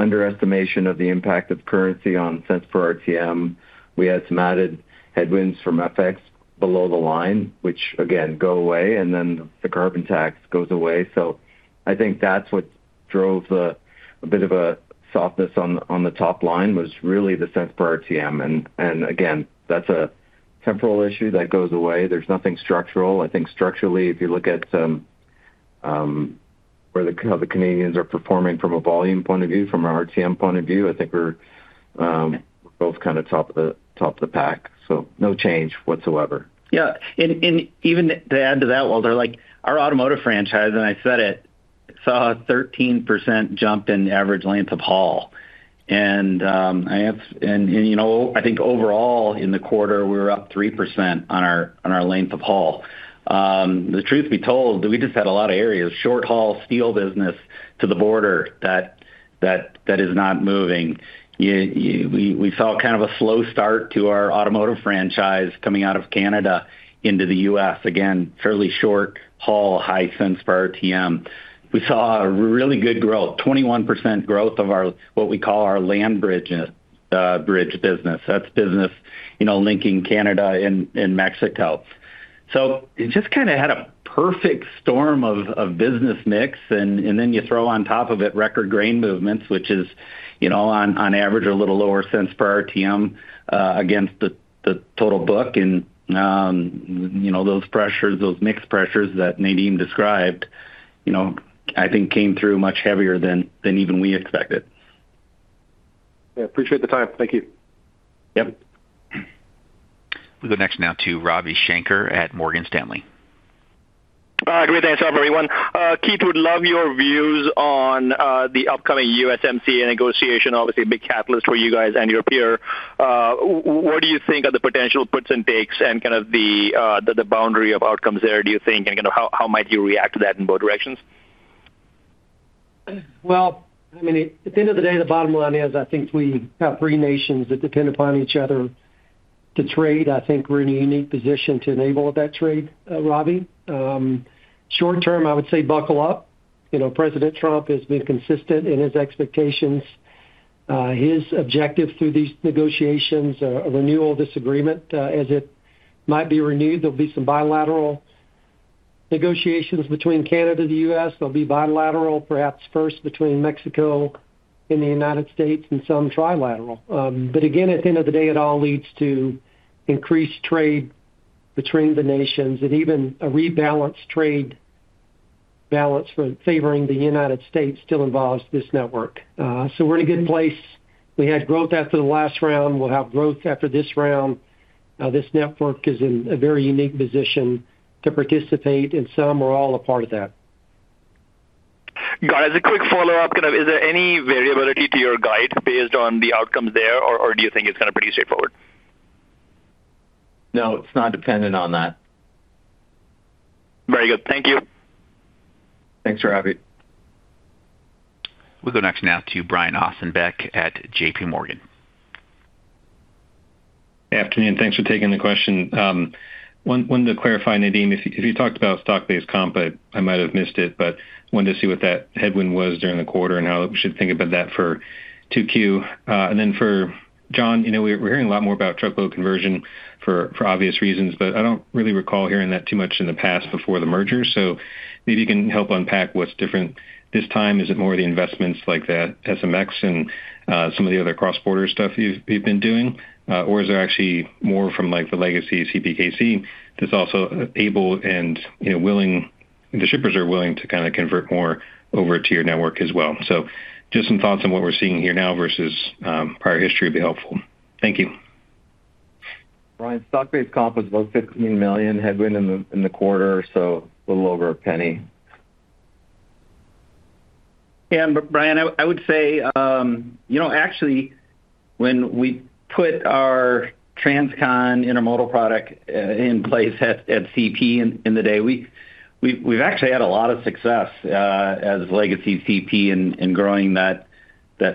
underestimation of the impact of currency on cents per RTM. We had some added headwinds from FX below the line, which again, go away, and then the carbon tax goes away. I think that's what drove a bit of a softness on the top line was really the cents per RTM. Again, that's a temporal issue that goes away. There's nothing structural. I think structurally, if you look at how the Canadians are performing from a volume point of view, from a RTM point of view, I think we're both kind of top of the pack, so no change whatsoever. Yeah. Even to add to that, Walter, like our automotive franchise, and I said it, saw a 13% jump in average length of haul. You know, I think overall in the quarter, we were up 3% on our length of haul. The truth be told, we just had a lot of areas, short haul steel business to the border that is not moving. We saw kind of a slow start to our automotive franchise coming out of Canada into the U.S. Again, fairly short haul, high cents per RTM. We saw a really good growth, 21% growth of our, what we call our land bridge business. That's business, you know, linking Canada and Mexico. It just kinda had a perfect storm of business mix and then you throw on top of it record grain movements, which is, you know, on average, a little lower cents per RTM, against the total book. You know, those pressures, those mixed pressures that Nadeem described, you know, I think came through much heavier than even we expected. Yeah, appreciate the time. Thank you. Yep. We'll go next now to Ravi Shanker at Morgan Stanley. Great day to everyone. Keith, would love your views on the upcoming USMCA negotiation. Obviously, a big catalyst for you guys and your peer. What do you think are the potential puts and takes and kind of the boundary of outcomes there, do you think? You know, how might you react to that in both directions? Well, I mean, at the end of the day, the bottom line is I think we have three nations that depend upon each other to trade. I think we're in a unique position to enable that trade, Ravi. Short term, I would say buckle up. You know, President Trump has been consistent in his expectations. His objective through these negotiations, renewal of this agreement, as it might be renewed, there'll be some bilateral negotiations between Canada and the U.S. There'll be bilateral, perhaps first between Mexico and the United States and some trilateral. Again, at the end of the day, it all leads to increased trade between the nations. Even a rebalanced trade balance for favoring the United States still involves this network. We're in a good place. We had growth after the last round. We'll have growth after this round. This network is in a very unique position to participate, some are all a part of that. Got it. As a quick follow-up, kind of is there any variability to your guide based on the outcomes there or do you think it's gonna be pretty straightforward? No, it's not dependent on that. Very good. Thank you. Thanks, Ravi. We'll go next now to Brian Ossenbeck at J.P. Morgan. Afternoon. Thanks for taking the question. Wanted to clarify, Nadeem, if you talked about stock-based comp, I might have missed it, but wanted to see what that headwind was during the quarter and how we should think about that for Q2. For John, you know, we're hearing a lot more about truckload conversion for obvious reasons, but I don't really recall hearing that too much in the past before the merger. Maybe you can help unpack what's different this time. Is it more the investments like that SMX and some of the other cross-border stuff you've been doing? Is there actually more from like the legacy CPKC that's also able and, you know, willing, the shippers are willing to kinda convert more over to your network as well? Just some thoughts on what we're seeing here now versus prior history would be helpful. Thank you. Brian, stock-based comp was about 15 million headwind in the quarter, so a little over CAD 0.01. Yeah. Brian, I would say, you know, actually, when we put our transcon intermodal product in place at CP in the day, we've actually had a lot of success as legacy CP in growing that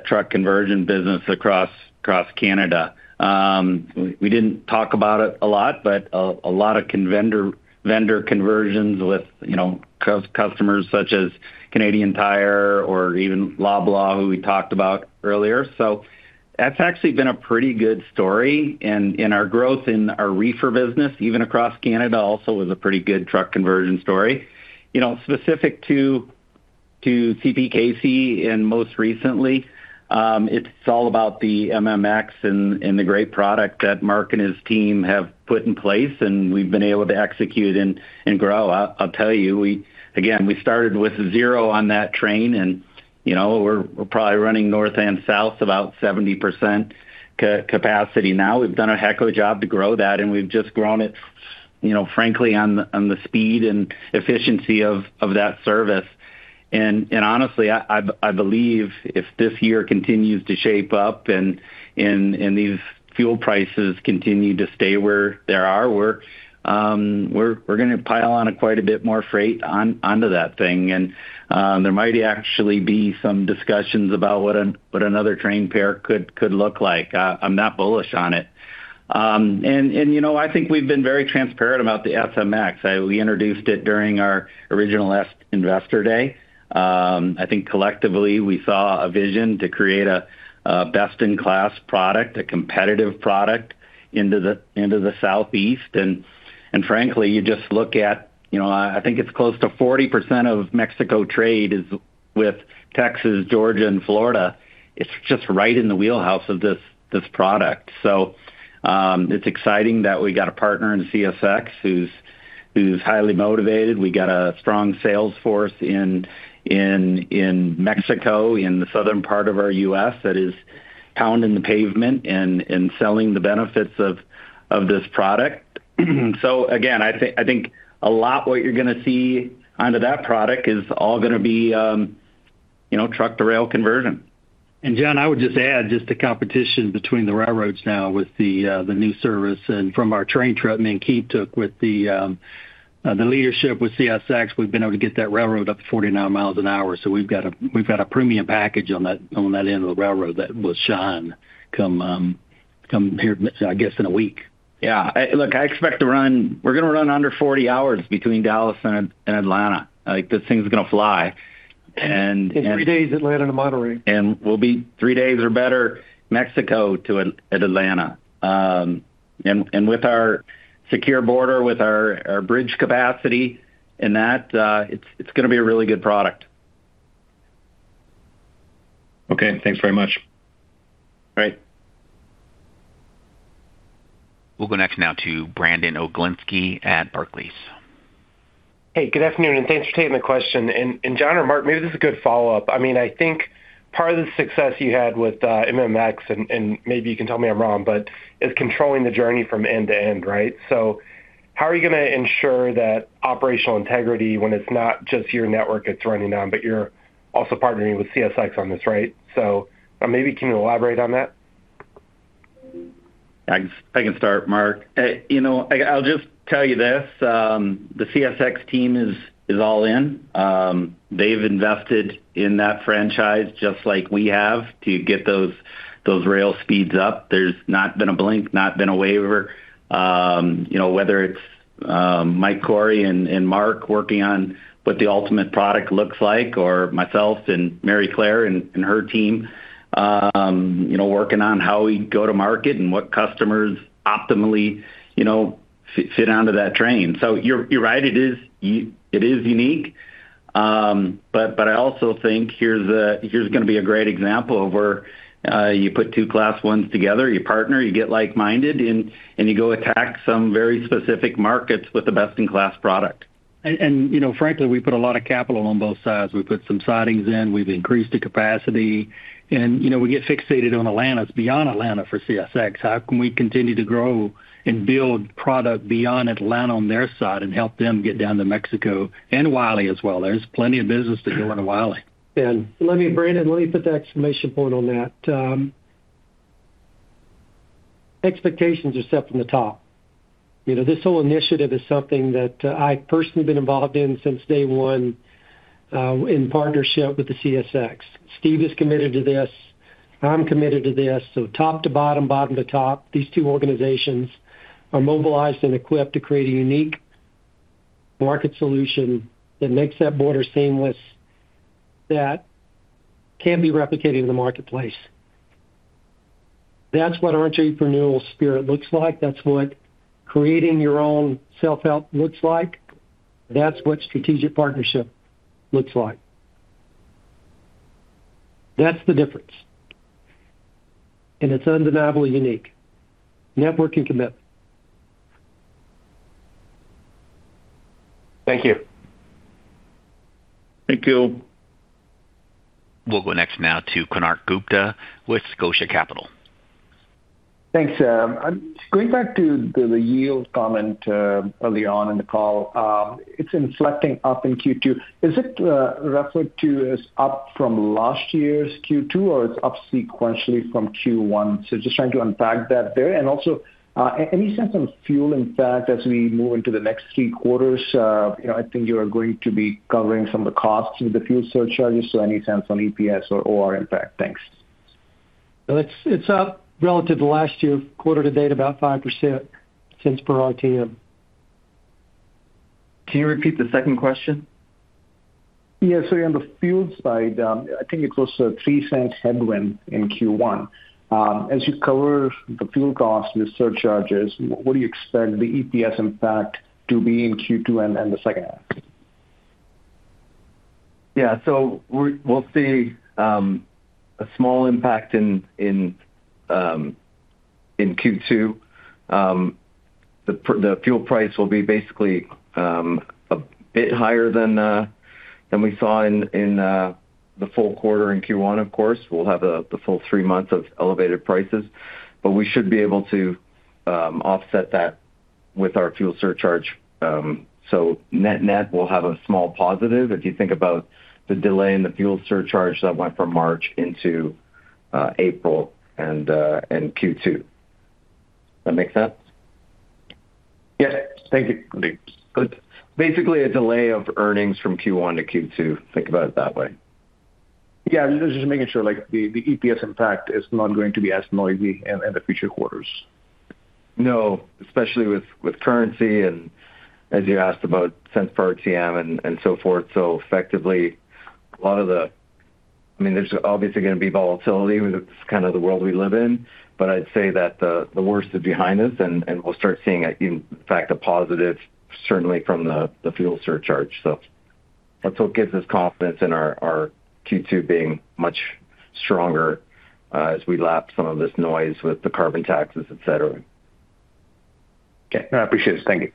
truck conversion business across Canada. We didn't talk about it a lot, but a lot of vendor conversions with, you know, customers such as Canadian Tire or even Loblaw, who we talked about earlier. That's actually been a pretty good story. In our growth in our reefer business, even across Canada also was a pretty good truck conversion story. You know, specific to CPKC and most recently, it's all about the MMX and the great product that Mark and his team have put in place, and we've been able to execute and grow. I'll tell you, again, we started with zero on that train and, you know, we're probably running north and south about 70% capacity now. We've done a heck of a job to grow that, and we've just grown it, you know, frankly, on the speed and efficiency of that service. Honestly, I believe if this year continues to shape up and these fuel prices continue to stay where they are, we're gonna pile on quite a bit more freight onto that thing. There might actually be some discussions about what another train pair could look like. I'm not bullish on it. You know, I think we've been very transparent about the SMX. We introduced it during our original investor day. I think collectively we saw a vision to create a best-in-class product, a competitive product into the southeast. Frankly, you just look at, you know, I think it's close to 40% of Mexico trade is with Texas, Georgia, and Florida. It's just right in the wheelhouse of this product. It's exciting that we got a partner in CSX who's highly motivated. We got a strong sales force in Mexico, in the southern part of our U.S. that is pounding the pavement and selling the benefits of this product. Again, I think a lot what you're gonna see under that product is all gonna be, you know, truck to rail conversion. John, I would just add just the competition between the railroads now with the new service and from our train trip, I mean, Keith took with the leadership with CSX, we've been able to get that railroad up to 49 miles an hour. We've got a premium package on that, on that end of the railroad that will shine come here, I guess, in a week. Look, I expect we're gonna run under 40 hours between Dallas and Atlanta. Like, this thing's gonna fly. In three days, Atlanta to Monterrey. We'll be three days or better Mexico to Atlanta. And with our secure border, with our bridge capacity and that, it's gonna be a really good product. Okay. Thanks very much. Great. We'll go next now to Brandon Oglenski at Barclays. Hey, good afternoon, and thanks for taking the question. John or Mark, maybe this is a good follow-up. I mean, I think part of the success you had with MMX, and maybe you can tell me I'm wrong, but is controlling the journey from end to end, right? How are you gonna ensure that operational integrity when it's not just your network it's running on, but you're also partnering with CSX on this, right? Maybe can you elaborate on that? I can start, Mark. You know, I'll just tell you this, the CSX team is all in. They've invested in that franchise just like we have to get those rail speeds up. There's not been a blink, not been a waiver. You know, whether it's Mike Cory and Mark working on what the ultimate product looks like or myself and Mary Claire and her team, you know, working on how we go to market and what customers optimally, you know, fit onto that train. You're right. It is unique. I also think here's gonna be a great example of where you put two Class I together, you partner, you get like-minded, and you go attack some very specific markets with a best-in-class product. You know, frankly, we put a lot of capital on both sides. We put some sidings in. We've increased the capacity. You know, we get fixated on Atlanta. It's beyond Atlanta for CSX. How can we continue to grow and build product beyond Atlanta on their side and help them get down to Mexico and Wylie as well? There's plenty of business to do in Wylie. Brandon, let me put the exclamation point on that. Expectations are set from the top. You know, this whole initiative is something that I've personally been involved in since day one, in partnership with the CSX. Steve is committed to this. I'm committed to this. Top to bottom to top, these two organizations are mobilized and equipped to create a unique market solution that makes that border seamless, that can be replicated in the marketplace. That's what entrepreneurial spirit looks like. That's what creating your own self-help looks like. That's what strategic partnership looks like. That's the difference, and it's undeniably unique. Networking commitment. Thank you. Thank you. We'll go next now to Konark Gupta with Scotia Capital. Thanks. Going back to the yield comment, early on in the call, it's inflecting up in Q2. Is it referred to as up from last year's Q2, or it's up sequentially from Q1? Just trying to unpack that there. Any sense on fuel impact as we move into the next 3 quarters? You know, I think you are going to be covering some of the costs with the fuel surcharges, so any sense on EPS or OR impact? Thanks. It's up relative to last year quarter to date about 5% cents per RTM. Can you repeat the second question? Yeah. On the fuel side, I think it was a 0.03 headwind in Q1. As you cover the fuel cost with surcharges, what do you expect the EPS impact to be in Q2 and the H2? Yeah. We'll see a small impact in Q2. The fuel price will be basically a bit higher than we saw in the full quarter in Q1, of course. We'll have the full 3 months of elevated prices. We should be able to offset that with our fuel surcharge. Net, net we'll have a small positive if you think about the delay in the fuel surcharge that went from March into April and Q2. That make sense? Yeah. Thank you. Basically a delay of earnings from Q1 to Q2. Think about it that way. Yeah. Just making sure, like the EPS impact is not going to be as noisy in the future quarters. Especially with currency and as you asked about cents per RTM and so forth. Effectively, I mean, there's obviously gonna be volatility with kind of the world we live in, but I'd say that the worst is behind us, and we'll start seeing, in fact, a positive certainly from the fuel surcharge. That's what gives us confidence in our Q2 being much stronger as we lap some of this noise with the carbon taxes, et cetera. Okay. No, I appreciate it. Thank you.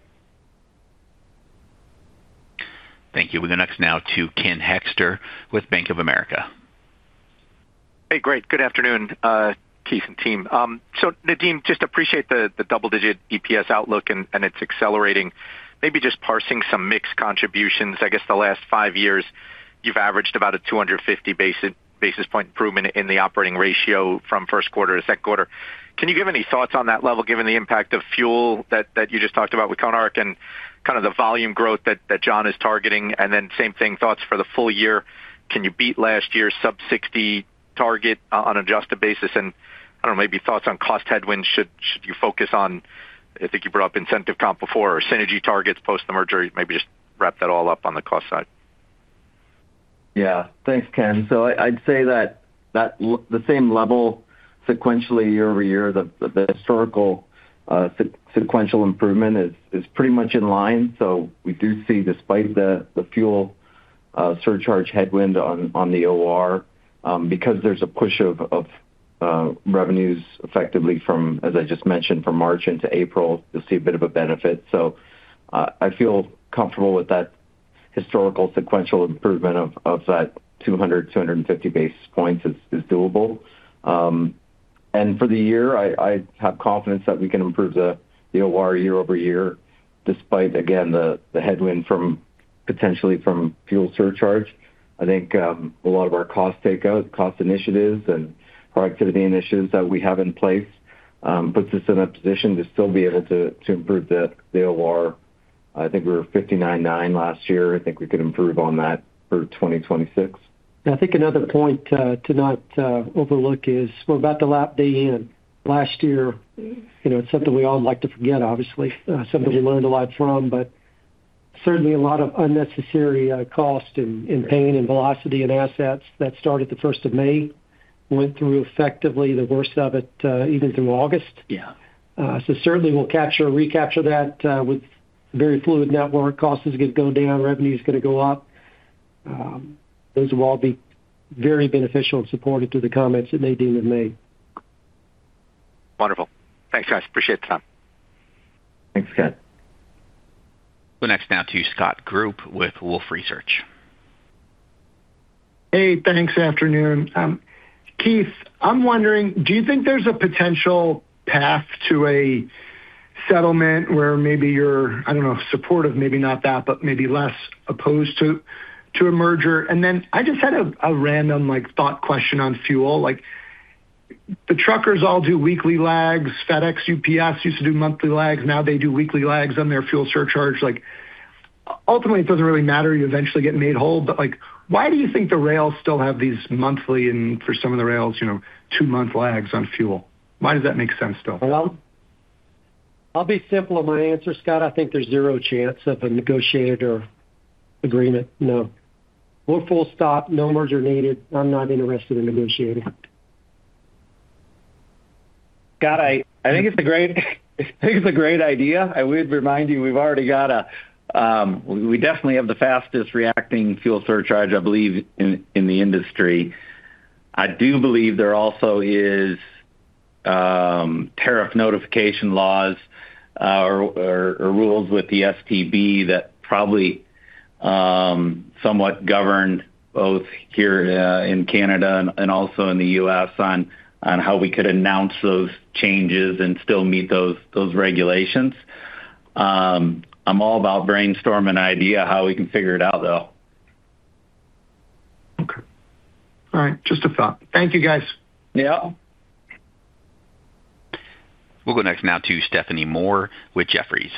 Thank you. We'll go next now to Ken Hoexter with Bank of America. Hey, great. Good afternoon, Keith and team. Nadeem, just appreciate the double-digit EPS outlook and it's accelerating. Maybe just parsing some mixed contributions. I guess the last 5 years you've averaged about a 250 basis point improvement in the operating ratio from Q1 to Q2. Can you give any thoughts on that level given the impact of fuel that you just talked about with Konark Gupta and kind of the volume growth that John Brooks is targeting? Same thing, thoughts for the full year. Can you beat last year's sub 60 target on adjusted basis? I don't know, maybe thoughts on cost headwinds. Should you focus on, I think you brought up incentive comp before or synergy targets post the merger? Maybe just wrap that all up on the cost side. Thanks, Ken. I'd say that the same level sequentially year over year, the historical sequential improvement is pretty much in line. We do see despite the fuel surcharge headwind on the OR, because there's a push of revenues effectively from, as I just mentioned, from March into April, you'll see a bit of a benefit. I feel comfortable with that historical sequential improvement of that 200, 250 basis points is doable. For the year, I have confidence that we can improve the OR year-over-year despite again, the headwind from potentially from fuel surcharge. I think a lot of our cost takeout, cost initiatives and productivity initiatives that we have in place puts us in a position to still be able to improve the OR. I think we were 59.9 last year. I think we could improve on that for 2026. Yeah. I think another point, to not overlook is we're about to lap Darien. Last year, you know, it's something we all like to forget, obviously. Yeah. Something we learned a lot from, but certainly a lot of unnecessary, cost and pain and velocity and assets that started the 1st of May, went through effectively the worst of it, even through August. Yeah. Certainly we'll recapture that with very fluid network. Costs is gonna go down, revenue is gonna go up. Those will all be very beneficial and supportive to the comments that Nadeem has made. Wonderful. Thanks, guys. Appreciate the time. Thanks, Ken. We'll go next now to Scott Group with Wolfe Research. Hey, thanks. Afternoon. Keith, I'm wondering, do you think there's a potential path to a settlement where maybe you're, I don't know, supportive, maybe not that, but maybe less opposed to a merger? I just had a random, like, thought question on fuel. Like, the truckers all do weekly lags. FedEx, UPS used to do monthly lags, now they do weekly lags on their fuel surcharge. Like, ultimately, it doesn't really matter, you eventually get made whole. Why do you think the rails still have these monthly and for some of the rails, you know, two-month lags on fuel? Why does that make sense still? Well, I'll be simple in my answer, Scott. I think there's zero chance of a negotiated or agreement. No. We're full stop. No merger needed. I'm not interested in negotiating. Scott, I think it's a great idea. I would remind you, we've already got a. We definitely have the fastest reacting fuel surcharge, I believe, in the industry. I do believe there also is tariff notification laws or rules with the STB that probably somewhat governed both here in Canada and also in the U.S. on how we could announce those changes and still meet those regulations. I'm all about brainstorming idea how we can figure it out, though. Okay. All right. Just a thought. Thank you, guys. Yeah. We'll go next now to Stephanie Moore with Jefferies.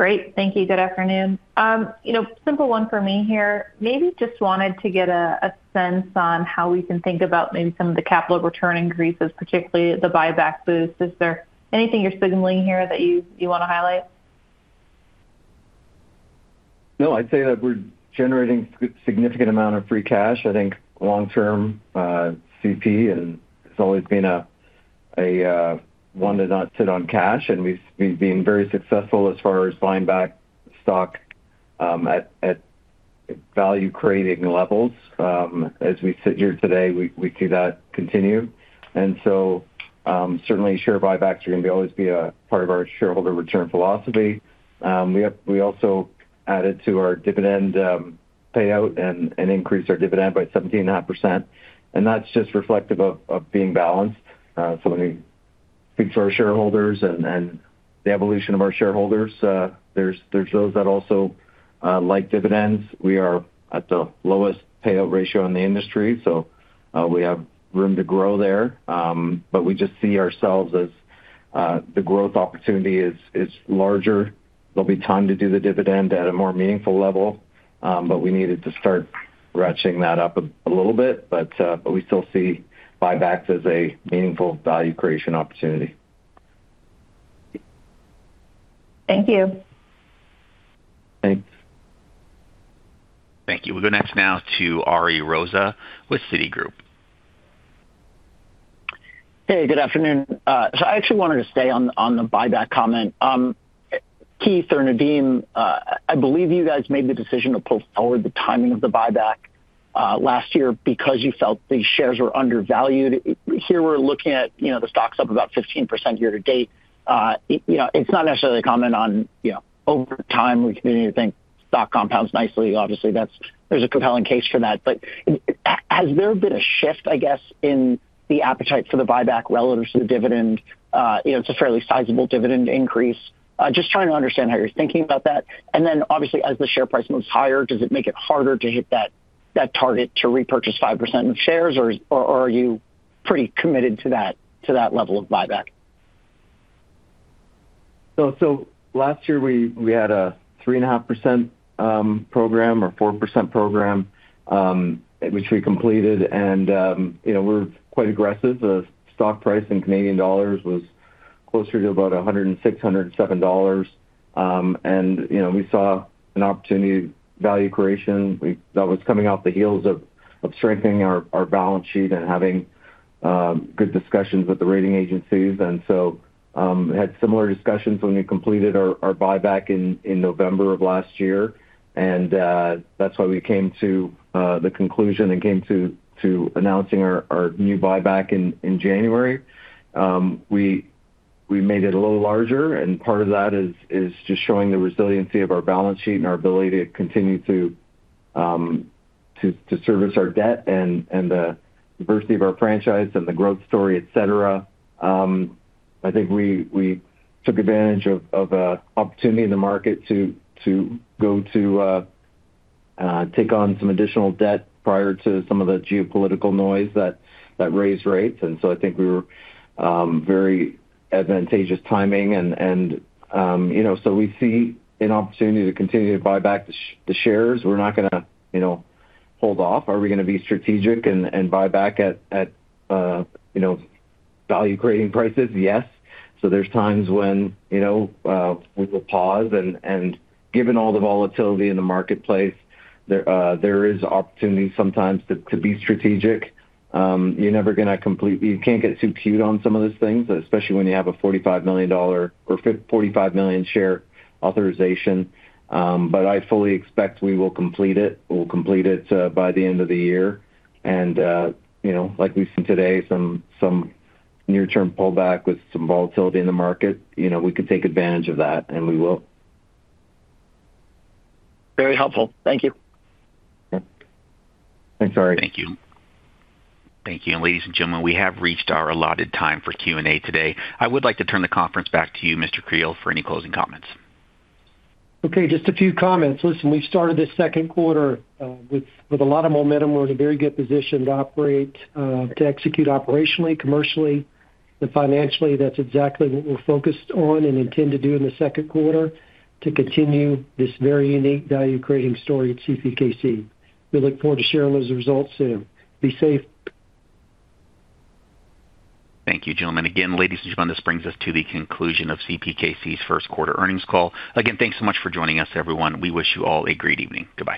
Great. Thank you. Good afternoon. You know, simple one for me here. Maybe just wanted to get a sense on how we can think about maybe some of the capital return increases, particularly the buyback boost. Is there anything you're signaling here that you wanna highlight? No, I'd say that we're generating significant amount of free cash. I think long-term, CP has always been a one to not sit on cash, and we've been very successful as far as buying back stock at value-creating levels. As we sit here today, we see that continue. Certainly share buybacks are always be a part of our shareholder return philosophy. We also added to our dividend payout and increased our dividend by 17.5%, and that's just reflective of being balanced. When we speak to our shareholders and the evolution of our shareholders, there's those that also like dividends. We are at the lowest payout ratio in the industry, we have room to grow there. We just see ourselves as the growth opportunity is larger. There'll be time to do the dividend at a more meaningful level, but we needed to start ratcheting that up a little bit. We still see buybacks as a meaningful value creation opportunity. Thank you. Thanks. Thank you. We'll go next now to Ari Rosa with Citigroup. Hey, good afternoon. I actually wanted to stay on the buyback comment. Keith or Nadeem, I believe you guys made the decision to pull forward the timing of the buyback last year because you felt these shares were undervalued. Here, we're looking at, you know, the stock's up about 15% year to date. You know, it's not necessarily a comment on, you know, over time we continue to think stock compounds nicely. Obviously, there's a compelling case for that. Has there been a shift, I guess, in the appetite for the buyback relative to the dividend? You know, it's a fairly sizable dividend increase. Just trying to understand how you're thinking about that. Obviously, as the share price moves higher, does it make it harder to hit that target to repurchase 5% of shares, or are you pretty committed to that level of buyback? Last year we had a 3.5% program or 4% program, which we completed. You know, we're quite aggressive. The stock price in Canadian dollars was closer to about 106, 107 dollars. You know, we saw an opportunity, value creation, that was coming off the heels of strengthening our balance sheet and having good discussions with the rating agencies. Had similar discussions when we completed our buyback in November of last year. That's why we came to the conclusion and came to announcing our new buyback in January. We made it a little larger, and part of that is just showing the resiliency of our balance sheet and our ability to continue to service our debt and the diversity of our franchise and the growth story, et cetera. I think we took advantage of a opportunity in the market to go to take on some additional debt prior to some of the geopolitical noise that raised rates. I think we were very advantageous timing. You know, we see an opportunity to continue to buy back the shares. We're not gonna, you know, hold off. Are we gonna be strategic and buy back at, you know, value-creating prices? Yes. There's times when, you know, we will pause. Given all the volatility in the marketplace, there is opportunity sometimes to be strategic. You can't get too cute on some of those things, especially when you have a 45 million share authorization. I fully expect we will complete it. We'll complete it by the end of the year. You know, like we've seen today, some near-term pullback with some volatility in the market. You know, we can take advantage of that, and we will. Very helpful. Thank you. Yeah. Thanks, Ari. Thank you. Thank you. Ladies and gentlemen, we have reached our allotted time for Q&A today. I would like to turn the conference back to you, Mr. Creel, for any closing comments. Okay, just a few comments. Listen, we started this Q2 with a lot of momentum. We're in a very good position to operate, to execute operationally, commercially, and financially. That's exactly what we're focused on and intend to do in the Q2 to continue this very unique value-creating story at CPKC. We look forward to sharing those results soon. Be safe. Thank you, gentlemen. Ladies and gentlemen, this brings us to the conclusion of CPKC's Q1 earnings call. Thanks so much for joining us, everyone. We wish you all a great evening. Goodbye.